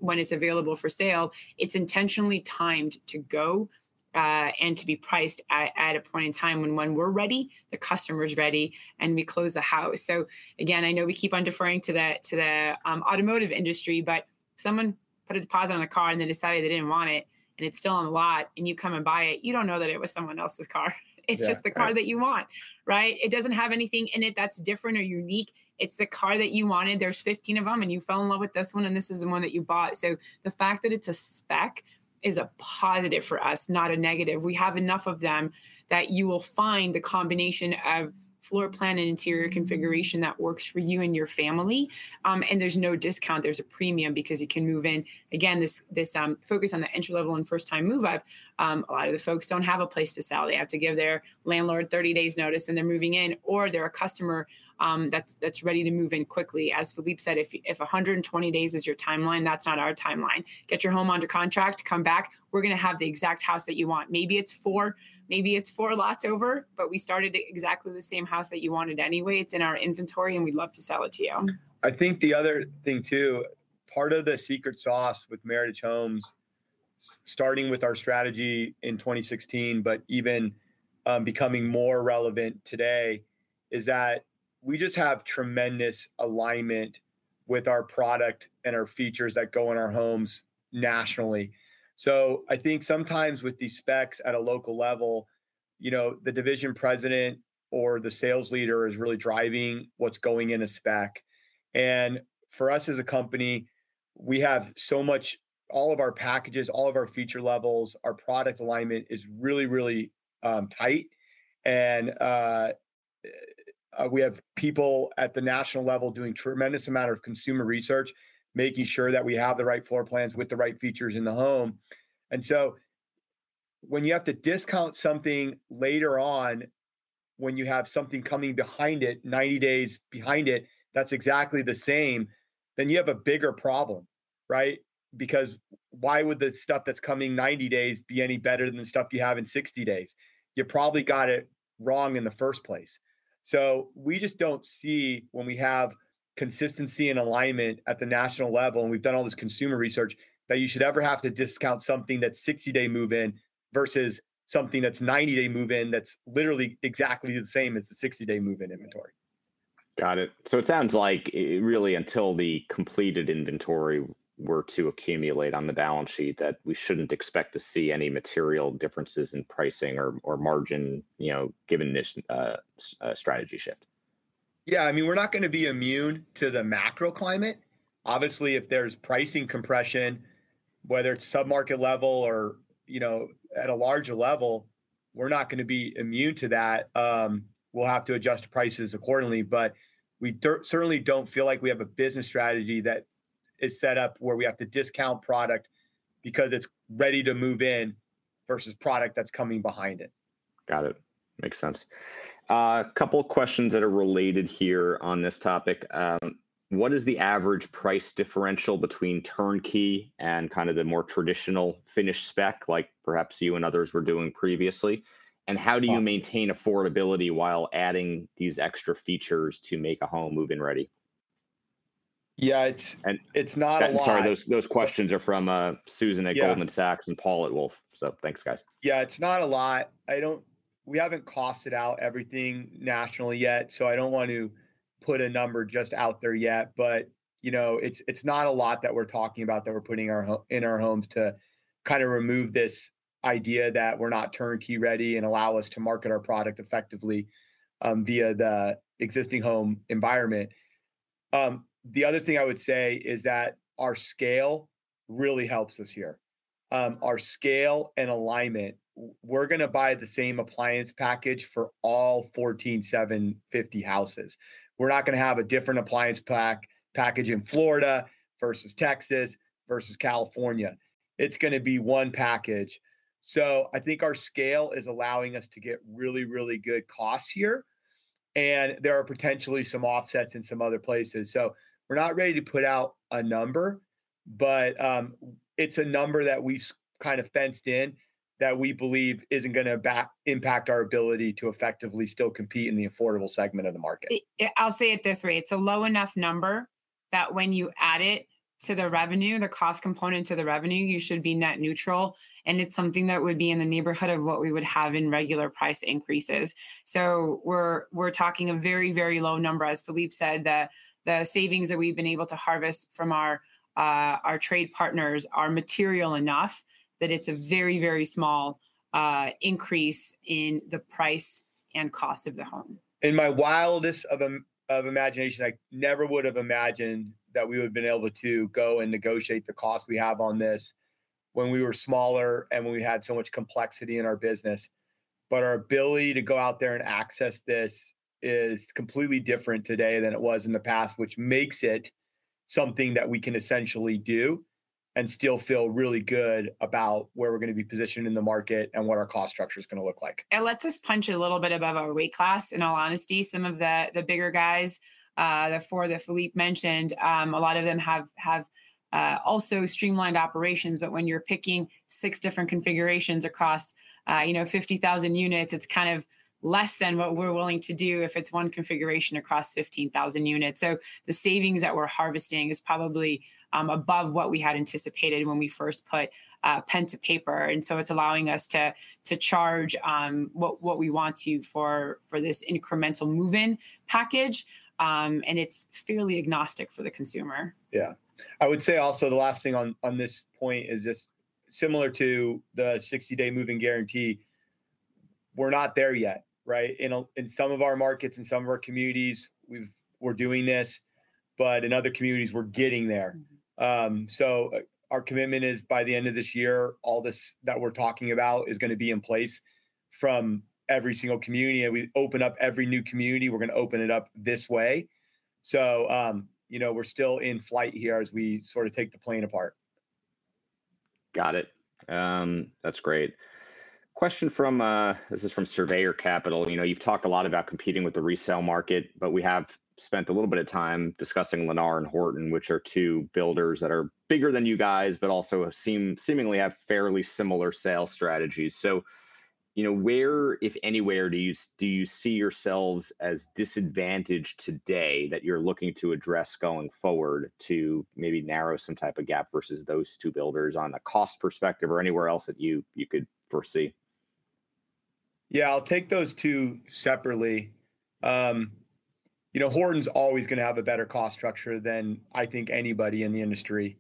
when it's available for sale, it's intentionally timed to go and to be priced at a point in time when we're ready, the customer's ready, and we close the house. So again, I know we keep on deferring to the automotive industry, but someone put a deposit on a car, and then decided they didn't want it, and it's still on the lot, and you come and buy it, you don't know that it was someone else's car. Yeah, right. It's just the car that you want, right? It doesn't have anything in it that's different or unique. It's the car that you wanted. There's 15 of them, and you fell in love with this one, and this is the one that you bought. So the fact that it's a spec is a positive for us, not a negative. We have enough of them that you will find the combination of floor plan and interior configuration that works for you and your family. And there's no discount, there's a premium because you can move in. Again, this focus on the entry-level and first-time move-up, a lot of the folks don't have a place to sell. They have to give their landlord 30 days notice, and they're moving in, or they're a customer that's ready to move in quickly. As Phillippe said, if 120 days is your timeline, that's not our timeline. Get your home under contract, come back, we're gonna have the exact house that you want. Maybe it's four, maybe it's four lots over, but we started exactly the same house that you wanted anyway. It's in our inventory, and we'd love to sell it to you. I think the other thing, too, part of the secret sauce with Meritage Homes, starting with our strategy in 2016, but even becoming more relevant today, is that we just have tremendous alignment with our product and our features that go in our homes nationally. So I think sometimes with these specs at a local level, you know, the division president or the sales leader is really driving what's going in a spec. And for us as a company, we have so much. All of our packages, all of our feature levels, our product alignment is really, really tight, and we have people at the national level doing tremendous amount of consumer research, making sure that we have the right floor plans with the right features in the home. And so when you have to discount something later on, when you have something coming behind it, 90 days behind it, that's exactly the same, then you have a bigger problem, right? Because why would the stuff that's coming in 90 days be any better than the stuff you have in 60 days? You probably got it wrong in the first place. So we just don't see, when we have consistency and alignment at the national level, and we've done all this consumer research, that you should ever have to discount something that's 60-day move-in versus something that's 90-day move-in, that's literally exactly the same as the 60-day move-in inventory. Got it. So it sounds like really until the completed inventory were to accumulate on the balance sheet, that we shouldn't expect to see any material differences in pricing or margin, you know, given this strategy shift. Yeah, I mean, we're not gonna be immune to the macro climate. Obviously, if there's pricing compression, whether it's sub-market level or, you know, at a larger level, we're not gonna be immune to that. We'll have to adjust prices accordingly. But we certainly don't feel like we have a business strategy that is set up where we have to discount product because it's ready to move in versus product that's coming behind it. Got it. Makes sense. A couple of questions that are related here on this topic. What is the average price differential between turnkey and kind of the more traditional finished spec, like perhaps you and others were doing previously? Uh- How do you maintain affordability while adding these extra features to make a home move-in ready? Yeah, it's- And- it's not a lot- Sorry, those questions are from Susan at- Yeah Goldman Sachs and Paul at Wolfe. Thanks, guys. Yeah, it's not a lot. We haven't costed out everything nationally yet, so I don't want to put a number just out there yet. But, you know, it's not a lot that we're talking about that we're putting our in our homes to kind of remove this idea that we're not turnkey ready and allow us to market our product effectively via the existing home environment. The other thing I would say is that our scale really helps us here. Our scale and alignment, we're gonna buy the same appliance package for all 14,750 houses. We're not gonna have a different appliance package in Florida versus Texas versus California. It's gonna be one package. So I think our scale is allowing us to get really, really good costs here, and there are potentially some offsets in some other places. So we're not ready to put out a number, but, it's a number that we've kind of fenced in, that we believe isn't gonna impact our ability to effectively still compete in the affordable segment of the market. It, I'll say it this way: It's a low enough number that when you add it to the revenue, the cost component to the revenue, you should be net neutral, and it's something that would be in the neighborhood of what we would have in regular price increases. So we're talking a very, very low number. As Phillippe said, the savings that we've been able to harvest from our trade partners are material enough that it's a very, very small increase in the price and cost of the home. In my wildest imagination, I never would've imagined that we would've been able to go and negotiate the cost we have on this when we were smaller and when we had so much complexity in our business. But our ability to go out there and access this is completely different today than it was in the past, which makes it something that we can essentially do, and still feel really good about where we're gonna be positioned in the market and what our cost structure's gonna look like. It lets us punch a little bit above our weight class, in all honesty. Some of the bigger guys, the four that Phillippe mentioned, a lot of them have also streamlined operations, but when you're picking six different configurations across, you know, 50,000 units, it's kind of less than what we're willing to do if it's one configuration across 15,000 units. So the savings that we're harvesting is probably above what we had anticipated when we first put pen to paper, and so it's allowing us to charge what we want to for this incremental move-in package. And it's fairly agnostic for the consumer. Yeah. I would say also the last thing on this point is just similar to the 60-day move-in guarantee, we're not there yet, right? In some of our markets, in some of our communities, we're doing this, but in other communities, we're getting there. Mm-hmm. So our commitment is by the end of this year, all this that we're talking about is gonna be in place from every single community, and we open up every new community, we're gonna open it up this way. So, you know, we're still in flight here as we sort of take the plane apart. Got it. That's great. Question from, this is from Surveyor Capital. You know, you've talked a lot about competing with the resale market, but we have spent a little bit of time discussing Lennar and Horton, which are two builders that are bigger than you guys, but also have seemingly have fairly similar sales strategies. So, you know, where, if anywhere, do you see yourselves as disadvantaged today that you're looking to address going forward to maybe narrow some type of gap versus those two builders on a cost perspective or anywhere else that you could foresee? Yeah, I'll take those two separately. You know, Horton's always gonna have a better cost structure than, I think, anybody in the industry,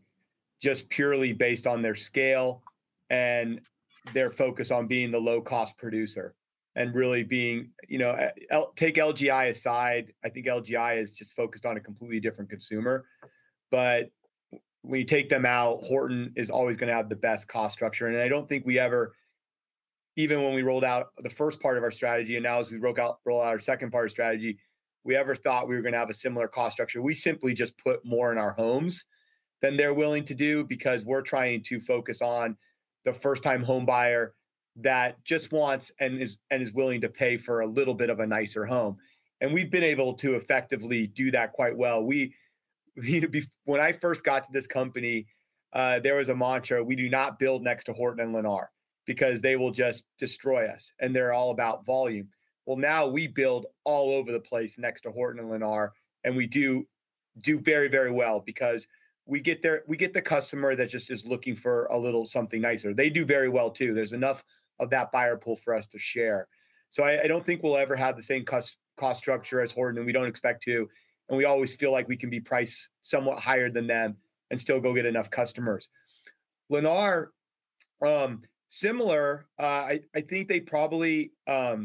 just purely based on their scale and their focus on being the low-cost producer and really being. You know, take LGI aside, I think LGI is just focused on a completely different consumer, but when you take them out, Horton is always gonna have the best cost structure, and I don't think we ever, even when we rolled out the first part of our strategy, and now as we roll out, roll out our second part of strategy, we ever thought we were gonna have a similar cost structure. We simply just put more in our homes than they're willing to do because we're trying to focus on the first-time homebuyer that just wants and is willing to pay for a little bit of a nicer home, and we've been able to effectively do that quite well. When I first got to this company, there was a mantra: "We do not build next to Horton and Lennar, because they will just destroy us, and they're all about volume." Well, now we build all over the place next to Horton and Lennar, and we do very, very well because we get the customer that just is looking for a little something nicer. They do very well, too. There's enough of that buyer pool for us to share. So I don't think we'll ever have the same cost structure as Horton, and we don't expect to, and we always feel like we can be priced somewhat higher than them and still go get enough customers. Lennar, similar, I think they probably have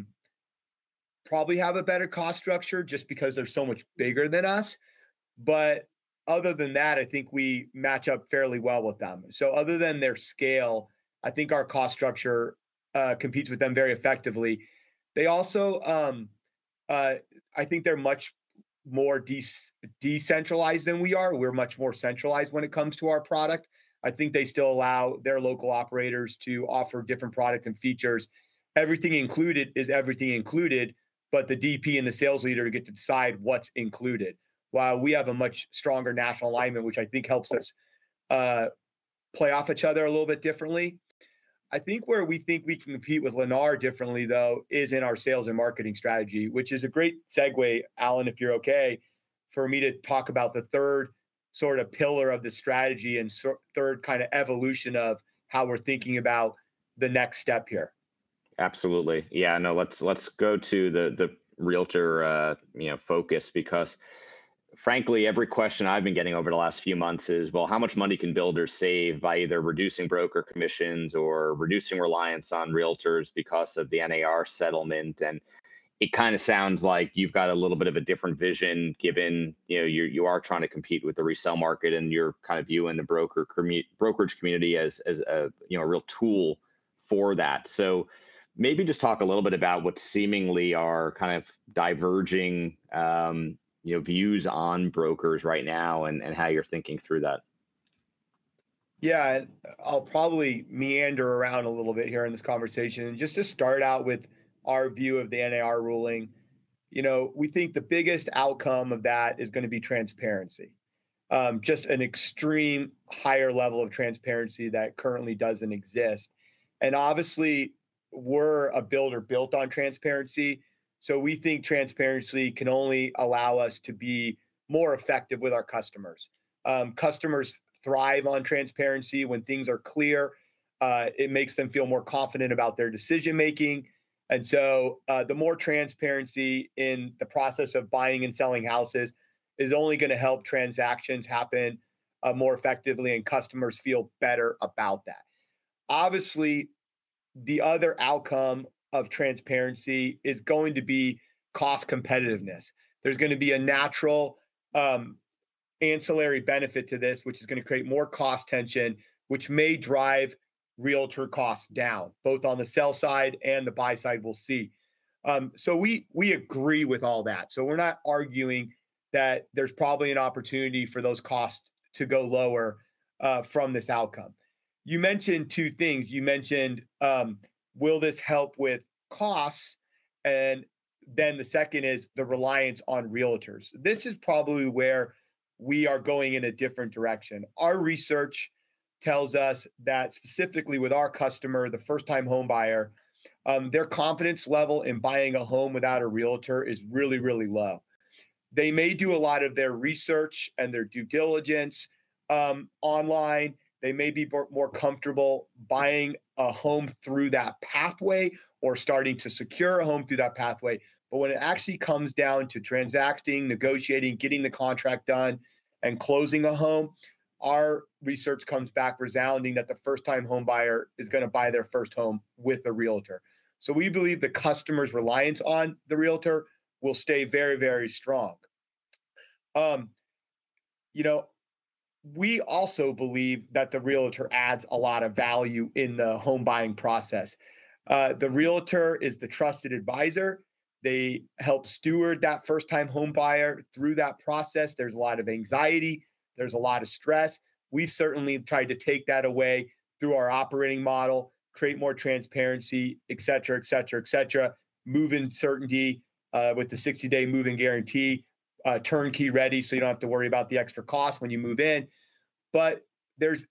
a better cost structure just because they're so much bigger than us, but other than that, I think we match up fairly well with them. So other than their scale, I think our cost structure competes with them very effectively. They also, I think they're much more decentralized than we are. We're much more centralized when it comes to our product. I think they still allow their local operators to offer different product and features. Everything included is everything included, but the DP and the sales leader get to decide what's included, while we have a much stronger national alignment, which I think helps us play off each other a little bit differently. I think where we think we compete with Lennar differently, though, is in our sales and marketing strategy, which is a great segue, Alan, if you're okay, for me to talk about the third sort of pillar of the strategy and third kind of evolution of how we're thinking about the next step here. Absolutely. Yeah, no, let's go to the Realtor, you know, focus because frankly, every question I've been getting over the last few months is, well, how much money can builders save by either reducing broker commissions or reducing reliance on Realtors because of the NAR settlement? It kind of sounds like you've got a little bit of a different vision given, you know, you're, you are trying to compete with the resale market, and you're kind of viewing the broker brokerage community as a, you know, a real tool for that. Maybe just talk a little bit about what seemingly are kind of diverging, you know, views on brokers right now and how you're thinking through that. Yeah, I'll probably meander around a little bit here in this conversation. Just to start out with our view of the NAR ruling, you know, we think the biggest outcome of that is gonna be transparency. Just an extreme higher level of transparency that currently doesn't exist. And obviously, we're a builder built on transparency, so we think transparency can only allow us to be more effective with our customers. Customers thrive on transparency. When things are clear, it makes them feel more confident about their decision-making, and so, the more transparency in the process of buying and selling houses is only gonna help transactions happen more effectively, and customers feel better about that. Obviously, the other outcome of transparency is going to be cost competitiveness. There's gonna be a natural, ancillary benefit to this, which is gonna create more cost tension, which may drive Realtor costs down, both on the sell side and the buy side. We'll see. So we, we agree with all that. So we're not arguing that there's probably an opportunity for those costs to go lower, from this outcome. You mentioned two things. You mentioned, will this help with costs? And then the second is the reliance on Realtors. This is probably where we are going in a different direction. Our research tells us that specifically with our customer, the first-time homebuyer, their confidence level in buying a home without a Realtor is really, really low. They may do a lot of their research and their due diligence, online. They may be more comfortable buying a home through that pathway or starting to secure a home through that pathway, but when it actually comes down to transacting, negotiating, getting the contract done, and closing a home, our research comes back resounding that the first-time homebuyer is gonna buy their first home with a Realtor. So we believe the customer's reliance on the Realtor will stay very, very strong. You know, we also believe that the Realtor adds a lot of value in the home-buying process. The Realtor is the trusted advisor. They help steward that first-time homebuyer through that process. There's a lot of anxiety, there's a lot of stress. We've certainly tried to take that away through our operating model, create more transparency, et cetera, et cetera, et cetera, move-in certainty, with the 60-day move-in guarantee, turnkey-ready, so you don't have to worry about the extra cost when you move in. But there's.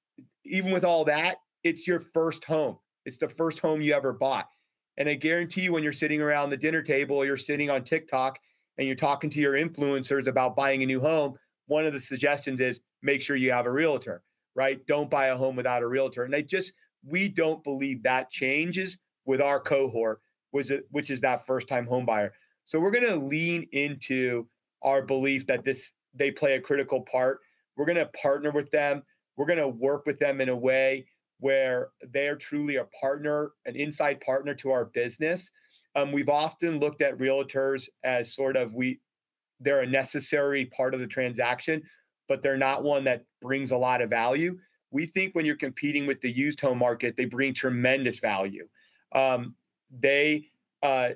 Even with all that, it's your first home. It's the first home you ever bought, and I guarantee you, when you're sitting around the dinner table, or you're sitting on TikTok, and you're talking to your influencers about buying a new home, one of the suggestions is, "Make sure you have a Realtor," right? "Don't buy a home without a Realtor." And they just- we don't believe that changes with our cohort, which is that first-time homebuyer. So we're gonna lean into our belief that this- they play a critical part. We're gonna partner with them. We're gonna work with them in a way where they are truly a partner, an inside partner to our business. We've often looked at Realtors as sort of they're a necessary part of the transaction, but they're not one that brings a lot of value. We think when you're competing with the used home market, they bring tremendous value. They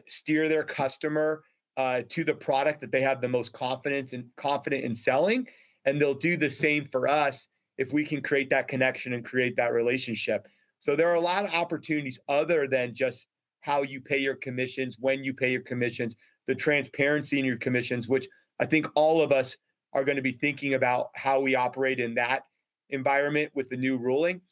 steer their customer to the product that they have the most confidence in confident in selling, and they'll do the same for us if we can create that connection and create that relationship. So there are a lot of opportunities other than just how you pay your commissions, when you pay your commissions, the transparency in your commissions, which I think all of us are gonna be thinking about how we operate in that environment with the new ruling.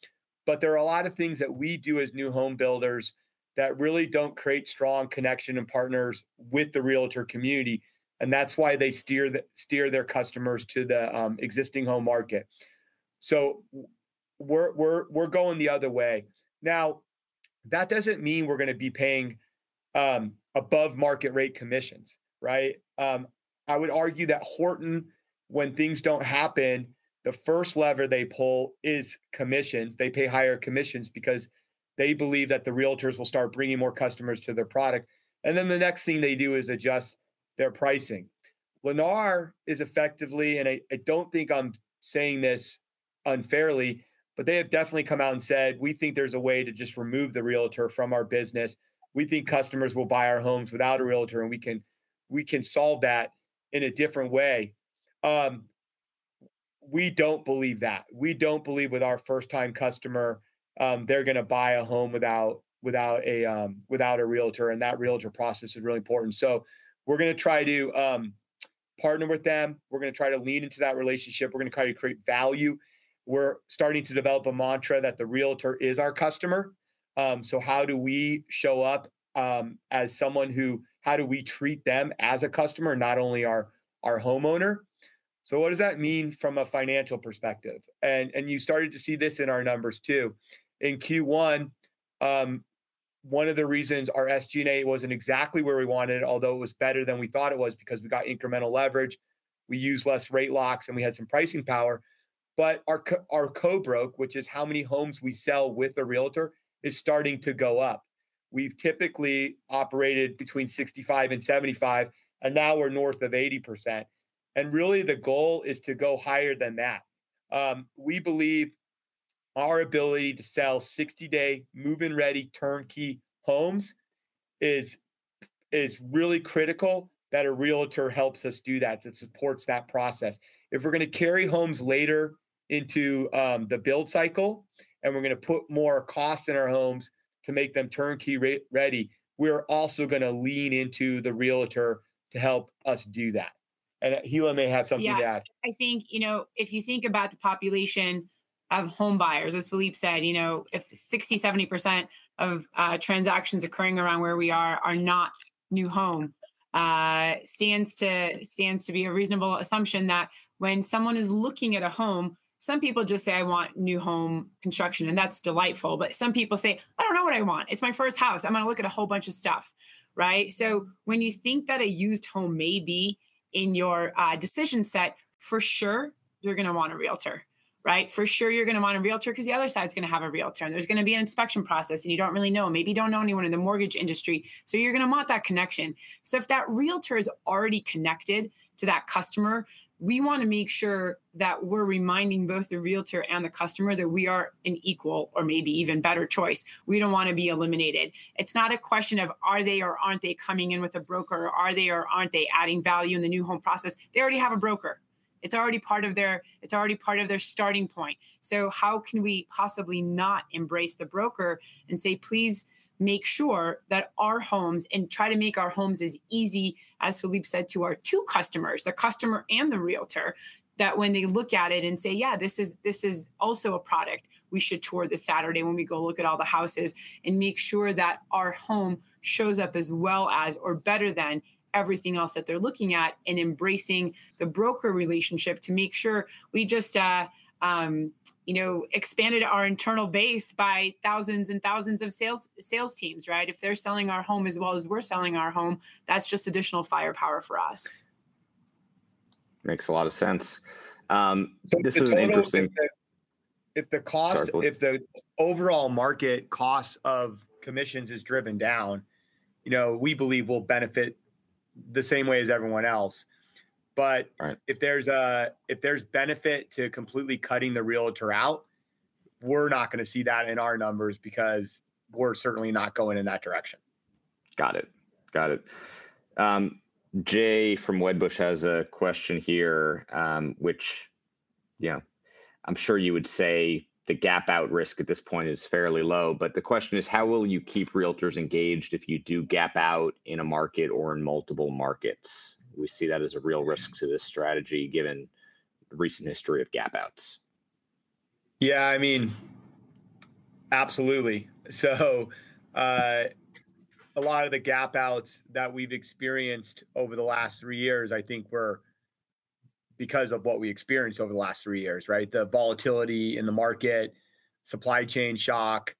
But there are a lot of things that we do as new home builders that really don't create strong connection and partners with the Realtor community, and that's why they steer their customers to the existing home market. So we're going the other way. Now, that doesn't mean we're gonna be paying above-market-rate commissions, right? I would argue that Horton, when things don't happen, the first lever they pull is commissions. They pay higher commissions because they believe that the Realtors will start bringing more customers to their product, and then the next thing they do is adjust their pricing. Lennar is effectively, and I don't think I'm saying this unfairly, but they have definitely come out and said, "We think there's a way to just remove the Realtor from our business. We think customers will buy our homes without a Realtor, and we can solve that in a different way." We don't believe that. We don't believe with our first-time customer, they're gonna buy a home without a Realtor, and that Realtor process is really important. So we're gonna try to partner with them. We're gonna try to lean into that relationship. We're gonna try to create value. We're starting to develop a mantra that the Realtor is our customer, so how do we show up as someone who- how do we treat them as a customer, not only our homeowner? So what does that mean from a financial perspective? And you started to see this in our numbers, too. In Q1, one of the reasons our SG&A wasn't exactly where we wanted it, although it was better than we thought it was because we got incremental leverage, we used less rate locks, and we had some pricing power, but our co-broke, which is how many homes we sell with a Realtor, is starting to go up. We've typically operated between 65% and 75%, and now we're north of 80%, and really the goal is to go higher than that. We believe our ability to sell 60-day, move-in-ready, turnkey homes is really critical that a Realtor helps us do that, that supports that process. If we're gonna carry homes later into the build cycle, and we're gonna put more cost in our homes to make them turnkey ready, we're also gonna lean into the Realtor to help us do that. Hilla may have something to add. Yeah. I think, you know, if you think about the population of home buyers, as Phillippe said, you know, if 60%-70% of transactions occurring around where we are are not new home stands to be a reasonable assumption that when someone is looking at a home, some people just say, "I want new home construction," and that's delightful. But some people say, "I don't know what I want. It's my first house. I'm gonna look at a whole bunch of stuff," right? So when you think that a used home may be in your decision set, for sure, you're gonna want a Realtor, right? For sure you're gonna want a Realtor, 'cause the other side's gonna have a Realtor, and there's gonna be an inspection process, and you don't really know. Maybe you don't know anyone in the mortgage industry, so you're gonna want that connection. So if that Realtor is already connected to that customer, we wanna make sure that we're reminding both the Realtor and the customer that we are an equal or maybe even better choice. We don't wanna be eliminated. It's not a question of, are they or aren't they coming in with a broker, or are they or aren't they adding value in the new home process? They already have a broker. It's already part of their starting point. So how can we possibly not embrace the broker and say, "Please make sure that our homes, and try to make our homes as easy," as Phillippe said, "to our two customers," the customer and the Realtor, that when they look at it and say, "Yeah, this is, this is also a product we should tour this Saturday when we go look at all the houses," and make sure that our home shows up as well as or better than everything else that they're looking at, and embracing the broker relationship to make sure we just, you know, expanded our internal base by thousands and thousands of sales, sales teams, right? If they're selling our home as well as we're selling our home, that's just additional firepower for us. Makes a lot of sense. This is interesting- I would say that if the cost- Sorry, Phillippe. If the overall market cost of commissions is driven down, you know, we believe we'll benefit the same way as everyone else. But- Right if there's benefit to completely cutting the Realtor out, we're not gonna see that in our numbers, because we're certainly not going in that direction. Got it. Got it. Jay from Wedbush has a question here, which, you know, I'm sure you would say the gap out risk at this point is fairly low, but the question is: how will you keep Realtors engaged if you do gap out in a market or in multiple markets? We see that as a real risk to this strategy, given the recent history of gap outs. Yeah, I mean, absolutely. So, a lot of the gap outs that we've experienced over the last three years, I think, were because of what we experienced over the last three years, right? The volatility in the market, supply chain shock.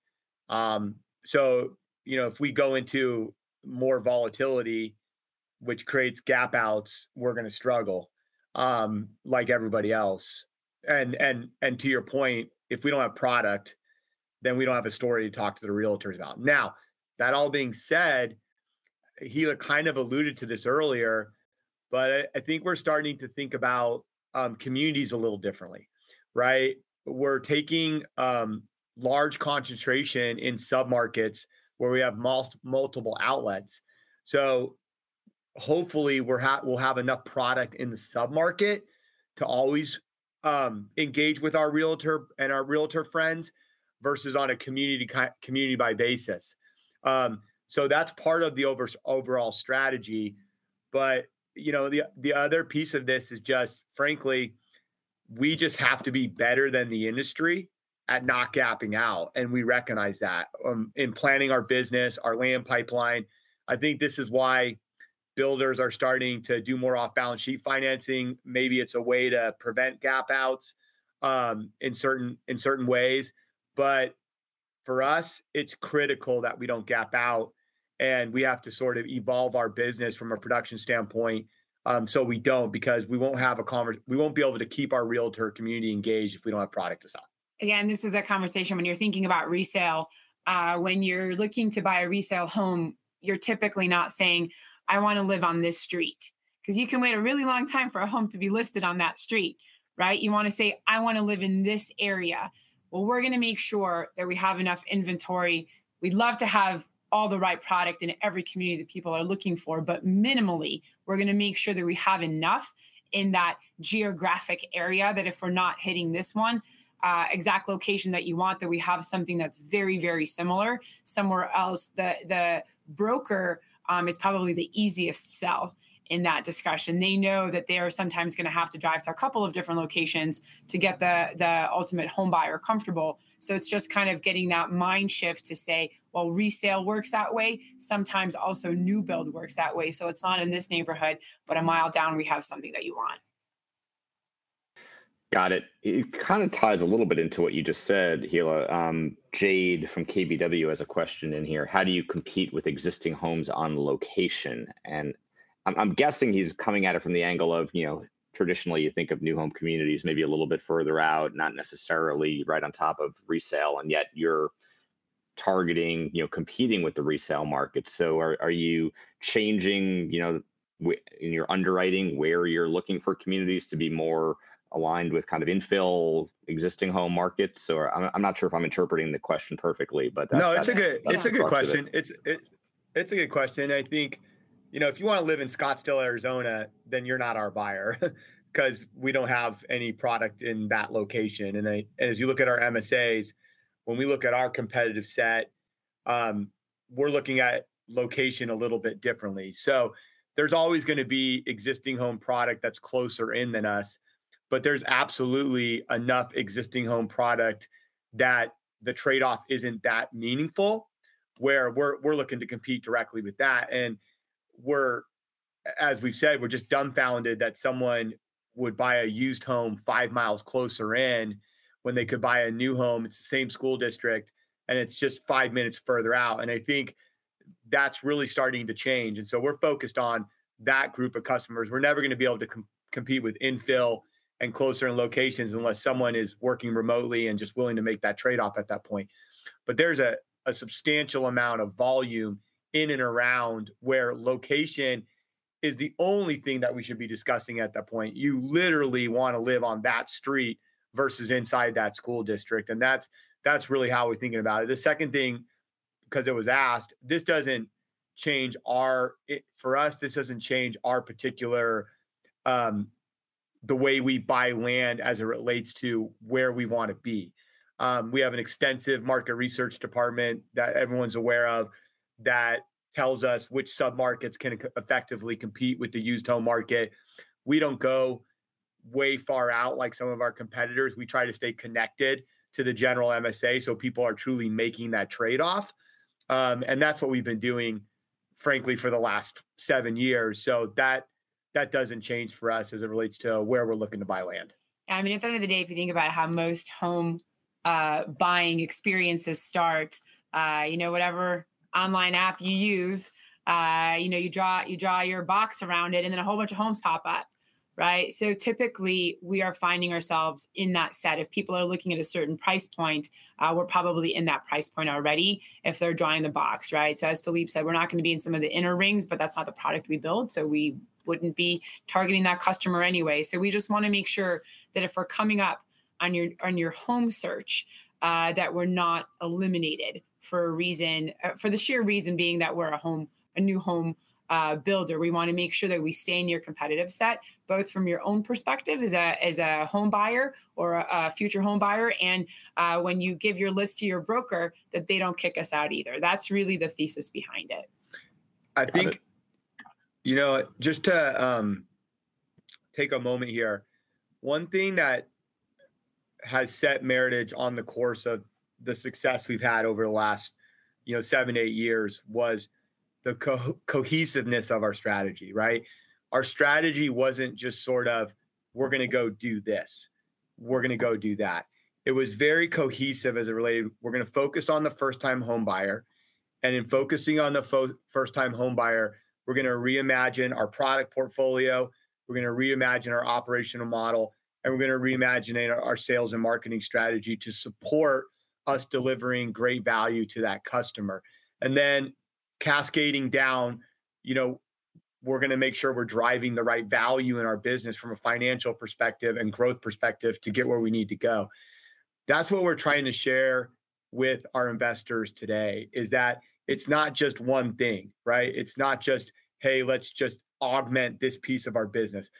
So, you know, if we go into more volatility, which creates gap outs, we're gonna struggle, like everybody else. And to your point, if we don't have product, then we don't have a story to talk to the Realtors about. Now, that all being said, Hilla kind of alluded to this earlier, but I think we're starting to think about communities a little differently, right? We're taking large concentration in sub-markets where we have multiple outlets. Hopefully, we'll have enough product in the sub-market to always engage with our Realtor and our Realtor friends versus on a community-by-community basis. So that's part of the overall strategy. But, you know, the other piece of this is just, frankly, we just have to be better than the industry at not gapping out, and we recognize that in planning our business, our land pipeline. I think this is why builders are starting to do more off-balance sheet financing. Maybe it's a way to prevent gap outs in certain ways. But for us, it's critical that we don't gap out, and we have to sort of evolve our business from a production standpoint, so we don't, because we won't be able to keep our Realtor community engaged if we don't have product to sell. Again, this is a conversation when you're thinking about resale. When you're looking to buy a resale home, you're typically not saying, "I wanna live on this street," 'cause you can wait a really long time for a home to be listed on that street, right? You wanna say, "I wanna live in this area." Well, we're gonna make sure that we have enough inventory. We'd love to have all the right product in every community that people are looking for, but minimally, we're gonna make sure that we have enough in that geographic area, that if we're not hitting this one, exact location that you want, that we have something that's very, very similar somewhere else. The broker is probably the easiest sell in that discussion. They know that they are sometimes gonna have to drive to a couple of different locations to get the ultimate home buyer comfortable. So it's just kind of getting that mind shift to say, "Well, resale works that way. Sometimes also new build works that way, so it's not in this neighborhood, but a mile down, we have something that you want. Got it. It kind of ties a little bit into what you just said, Hilla. Jade from KBW has a question in here: "How do you compete with existing homes on location?" And I'm guessing he's coming at it from the angle of, you know, traditionally you think of new home communities maybe a little bit further out, not necessarily right on top of resale, and yet you're targeting, you know, competing with the resale market. So are you changing, you know, in your underwriting, where you're looking for communities to be more aligned with kind of infill existing home markets? Or I'm not sure if I'm interpreting the question perfectly, but that's- No, it's a good question. And I think, you know, if you wanna live in Scottsdale, Arizona, then you're not our buyer 'cause we don't have any product in that location. And as you look at our MSAs, when we look at our competitive set, we're looking at location a little bit differently. So there's always gonna be existing home product that's closer in than us, but there's absolutely enough existing home product that the trade-off isn't that meaningful, where we're looking to compete directly with that. And as we've said, we're just dumbfounded that someone would buy a used home five miles closer in, when they could buy a new home, it's the same school district, and it's just five minutes further out, and I think that's really starting to change. And so we're focused on that group of customers. We're never gonna be able to compete with infill and closer in locations unless someone is working remotely and just willing to make that trade-off at that point. But there's a substantial amount of volume in and around, where location is the only thing that we should be discussing at that point. You literally wanna live on that street versus inside that school district, and that's really how we're thinking about it. The second thing 'cause it was asked, this doesn't change our, for us, this doesn't change our particular, the way we buy land as it relates to where we wanna be. We have an extensive market research department that everyone's aware of, that tells us which sub-markets can effectively compete with the used home market. We don't go way far out like some of our competitors. We try to stay connected to the general MSA, so people are truly making that trade-off. And that's what we've been doing, frankly, for the last seven years. So that, that doesn't change for us as it relates to where we're looking to buy land. I mean, at the end of the day, if you think about how most home buying experiences start, you know, whatever online app you use, you know, you draw your box around it, and then a whole bunch of homes pop up, right? So typically, we are finding ourselves in that set. If people are looking at a certain price point, we're probably in that price point already if they're drawing the box, right? So as Phillippe said, we're not gonna be in some of the inner rings, but that's not the product we build, so we wouldn't be targeting that customer anyway. So we just wanna make sure that if we're coming up on your home search, that we're not eliminated for a reason for the sheer reason being that we're a home—a new home builder. We wanna make sure that we stay in your competitive set, both from your own perspective as a home buyer or a future home buyer, and when you give your list to your broker, that they don't kick us out either. That's really the thesis behind it. I think- Got it. You know what? Just to take a moment here. One thing that has set Meritage on the course of the success we've had over the last, you know, seven, eight years, was the cohesiveness of our strategy, right? Our strategy wasn't just sort of, "We're gonna go do this. We're gonna go do that." It was very cohesive as it related, "We're gonna focus on the first-time home buyer, and in focusing on the first-time home buyer, we're gonna reimagine our product portfolio, we're gonna reimagine our operational model, and we're gonna reimagine our sales and marketing strategy to support us delivering great value to that customer." And then cascading down, you know, we're gonna make sure we're driving the right value in our business from a financial perspective and growth perspective to get where we need to go. That's what we're trying to share with our investors today, is that it's not just one thing, right? It's not just, "Hey, let's just augment this piece of our business."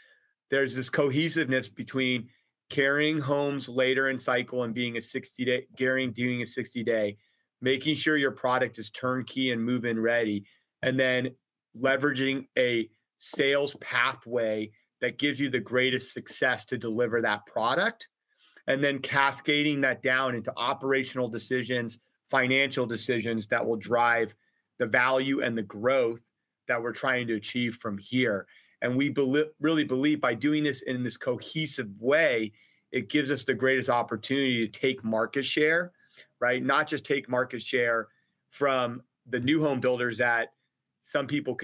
There's this cohesiveness between carrying homes later in cycle and being a 60-day carrying, doing a 60-day, making sure your product is turnkey and move-in ready, and then leveraging a sales pathway that gives you the greatest success to deliver that product, and then cascading that down into operational decisions, financial decisions, that will drive the value and the growth that we're trying to achieve from here. And we really believe by doing this in this cohesive way, it gives us the greatest opportunity to take market share, right? Not just take market share from the new home builders that some people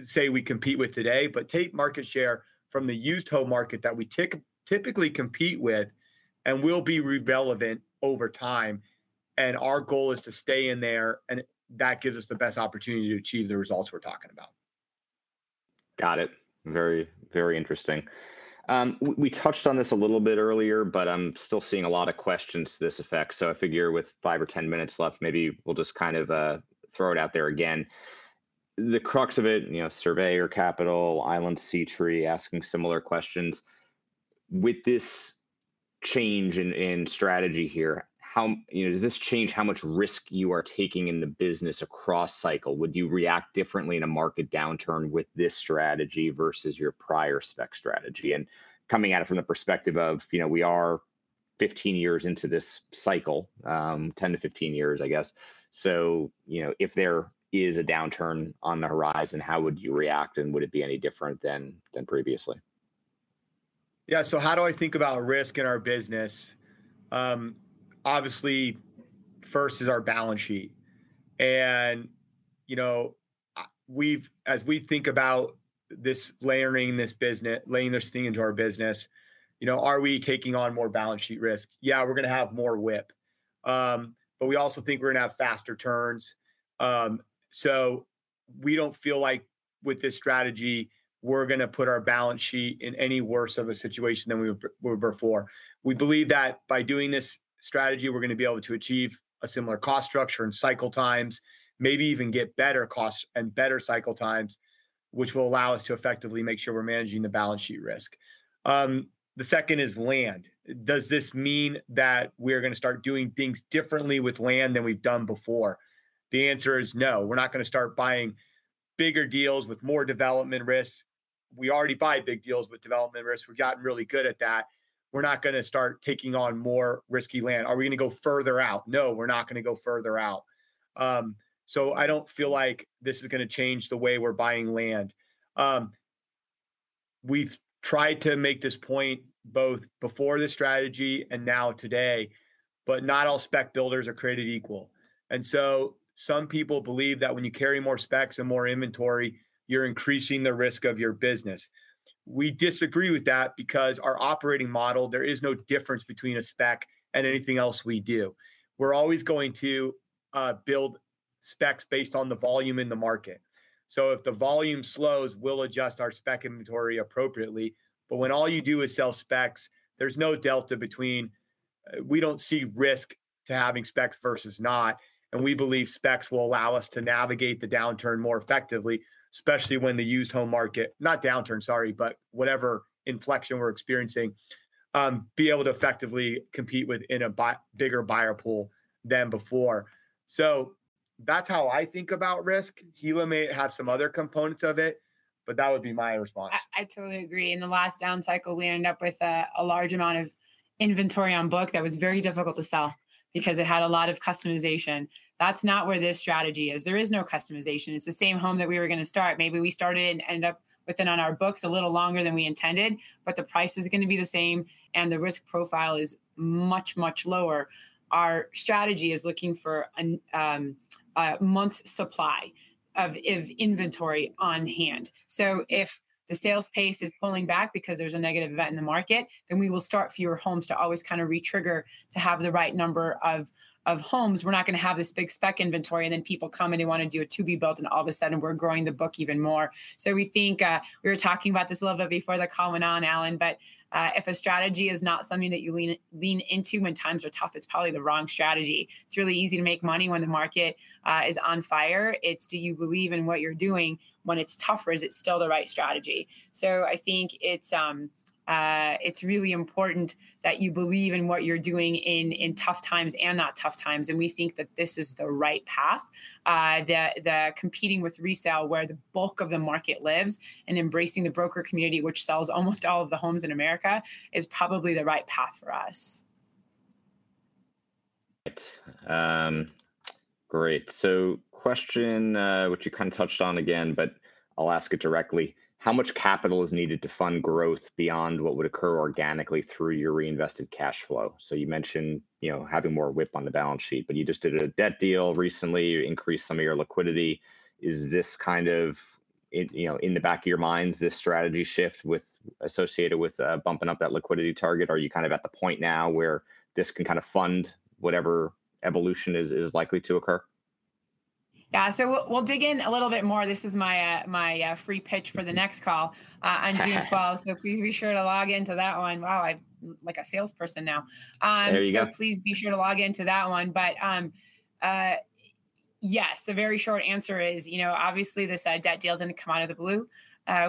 say we compete with today, but take market share from the used home market that we typically compete with, and will be relevant over time. Our goal is to stay in there, and that gives us the best opportunity to achieve the results we're talking about. Got it. Very, very interesting. We touched on this a little bit earlier, but I'm still seeing a lot of questions to this effect, so I figure with five or 10 minutes left, maybe we'll just kind of throw it out there again. The crux of it, you know, Surveyor Capital, Island C-III, asking similar questions: With this change in strategy here, how you know, does this change how much risk you are taking in the business across cycle? Would you react differently in a market downturn with this strategy versus your prior spec strategy? And coming at it from the perspective of, you know, we are 15 years into this cycle, 10-15 years, I guess, so, you know, if there is a downturn on the horizon, how would you react, and would it be any different than previously? Yeah, so how do I think about risk in our business? Obviously, first is our balance sheet. And, you know, as we think about this, laying this thing into our business, you know, are we taking on more balance sheet risk? Yeah, we're gonna have more WIP. But we also think we're gonna have faster turns. So we don't feel like, with this strategy, we're gonna put our balance sheet in any worse of a situation than we were before. We believe that by doing this strategy, we're gonna be able to achieve a similar cost structure and cycle times, maybe even get better costs and better cycle times, which will allow us to effectively make sure we're managing the balance sheet risk. The second is land. Does this mean that we're gonna start doing things differently with land than we've done before? The answer is no, we're not gonna start buying bigger deals with more development risks. We already buy big deals with development risks. We've gotten really good at that. We're not gonna start taking on more risky land. Are we gonna go further out? No, we're not gonna go further out. So I don't feel like this is gonna change the way we're buying land. We've tried to make this point both before this strategy and now today, but not all spec builders are created equal. And so some people believe that when you carry more specs and more inventory, you're increasing the risk of your business. We disagree with that, because our operating model, there is no difference between a spec and anything else we do. We're always going to build specs based on the volume in the market. So if the volume slows, we'll adjust our spec inventory appropriately. But when all you do is sell specs, there's no delta between, we don't see risk to having specs versus not, and we believe specs will allow us to navigate the downturn more effectively, especially when the used home market. Not downturn, sorry, but whatever inflection we're experiencing, be able to effectively compete with in a bigger buyer pool than before. So that's how I think about risk. Hilla may have some other components of it, but that would be my response. I totally agree. In the last down cycle, we ended up with a large amount of inventory on book that was very difficult to sell because it had a lot of customization. That's not where this strategy is. There is no customization. It's the same home that we were gonna start. Maybe we started and ended up with it on our books a little longer than we intended, but the price is gonna be the same, and the risk profile is much, much lower. Our strategy is looking for a month's supply of inventory on hand. So if the sales pace is pulling back because there's a negative event in the market, then we will start fewer homes to always kind of re-trigger to have the right number of homes. We're not gonna have this big spec inventory, and then people come, and they want to do a to-be-built, and all of a sudden, we're growing the book even more. So we think. We were talking about this a little bit before the call went on, Alan, but, if a strategy is not something that you lean, lean into when times are tough, it's probably the wrong strategy. It's really easy to make money when the market is on fire. It's do you believe in what you're doing when it's tougher, is it still the right strategy? So I think it's really important that you believe in what you're doing in tough times and not tough times, and we think that this is the right path. Competing with resale where the bulk of the market lives and embracing the broker community, which sells almost all of the homes in America, is probably the right path for us. Right. Great. So question, which you kind of touched on again, but I'll ask it directly: How much capital is needed to fund growth beyond what would occur organically through your reinvested cash flow? So you mentioned, you know, having more WIP on the balance sheet, but you just did a debt deal recently. You increased some of your liquidity. Is this kind of in, you know, in the back of your minds, this strategy shift with- associated with, bumping up that liquidity target, or are you kind of at the point now where this can kind of fund whatever evolution is, is likely to occur? Yeah, so we'll dig in a little bit more. This is my free pitch for the next call on June 12th. So please be sure to log in to that one. Wow, I'm like a salesperson now. There you go. So please be sure to log in to that one. But, yes, the very short answer is, you know, obviously, this debt deal didn't come out of the blue.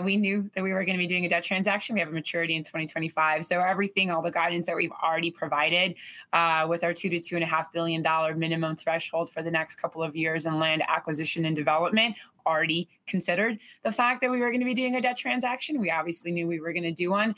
We knew that we were gonna be doing a debt transaction. We have a maturity in 2025. So everything, all the guidance that we've already provided, with our $2 billion-$2.5 billion minimum threshold for the next couple of years in land acquisition and development, already considered the fact that we were gonna be doing a debt transaction. We obviously knew we were gonna do one.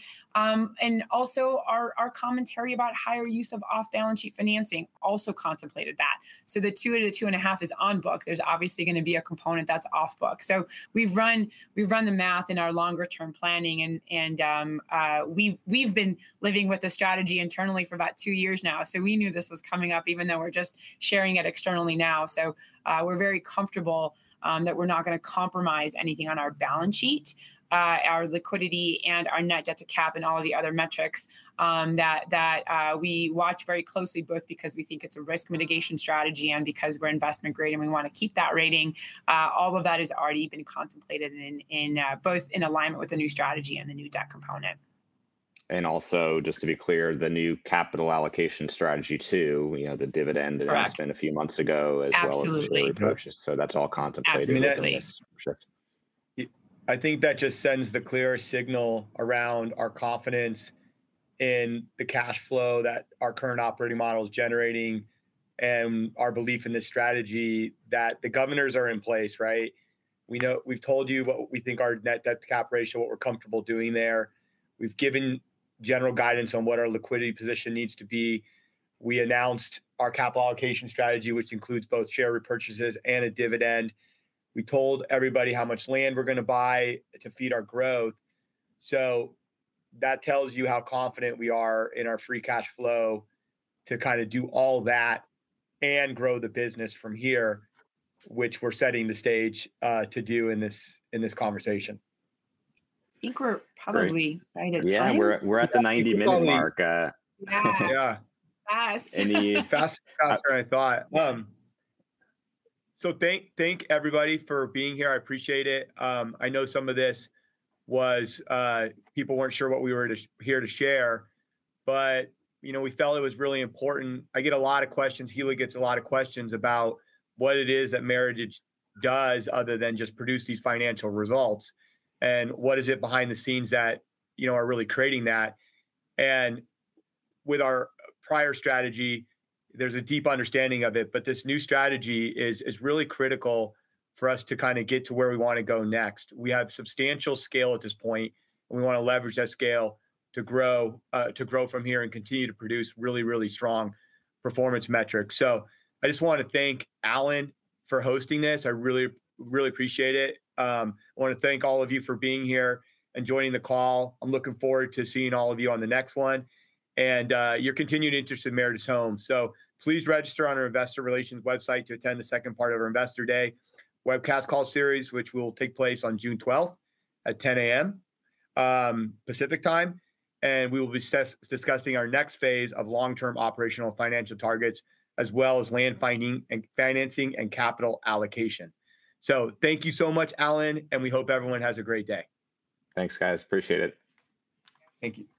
And also, our commentary about higher use of off-balance sheet financing also contemplated that. So the $2 billion-$2.5 billion is on book. There's obviously gonna be a component that's off book. So we've run the math in our longer-term planning, and we've been living with the strategy internally for about two years now. So we knew this was coming up, even though we're just sharing it externally now. So we're very comfortable that we're not gonna compromise anything on our balance sheet. Our liquidity and our net debt to cap and all of the other metrics that we watch very closely, both because we think it's a risk mitigation strategy and because we're investment grade, and we want to keep that rating. All of that has already been contemplated in both alignment with the new strategy and the new debt component. And also, just to be clear, the new capital allocation strategy, too, you know, the dividend- Correct. that happened a few months ago, as well as- Absolutely. repurchased, so that's all contemplated- Absolutely. in this. Sure. I think that just sends the clearest signal around our confidence in the cash flow that our current operating model is generating and our belief in this strategy that the governors are in place, right? We know—we've told you what we think our net debt to cap ratio, what we're comfortable doing there. We've given general guidance on what our liquidity position needs to be. We announced our capital allocation strategy, which includes both share repurchases and a dividend. We told everybody how much land we're gonna buy to feed our growth. So that tells you how confident we are in our free cash flow to kind of do all that and grow the business from here, which we're setting the stage to do in this, in this conversation. I think we're probably- Great out of time. Yeah, we're at the 90-minute mark. Oh, wow. Yeah. Yeah. Fast. Any- Faster than I thought. So thank everybody for being here. I appreciate it. I know some of this was people weren't sure what we were just here to share, but, you know, we felt it was really important. I get a lot of questions. Hilla gets a lot of questions about what it is that Meritage does other than just produce these financial results, and what is it behind the scenes that, you know, are really creating that. And with our prior strategy, there's a deep understanding of it, but this new strategy is really critical for us to kind of get to where we want to go next. We have substantial scale at this point, and we want to leverage that scale to grow from here and continue to produce really, really strong performance metrics. So I just want to thank Alan for hosting this. I really, really appreciate it. I want to thank all of you for being here and joining the call. I'm looking forward to seeing all of you on the next one, and your continued interest in Meritage Homes. So please register on our Investor Relations website to attend the second part of our Investor Day webcast call series, which will take place on June 12th at 10:00 A.M. Pacific Time, and we will be discussing our next phase of long-term operational financial targets, as well as land finding, and financing, and capital allocation. So thank you so much, Alan, and we hope everyone has a great day. Thanks, guys. Appreciate it. Thank you.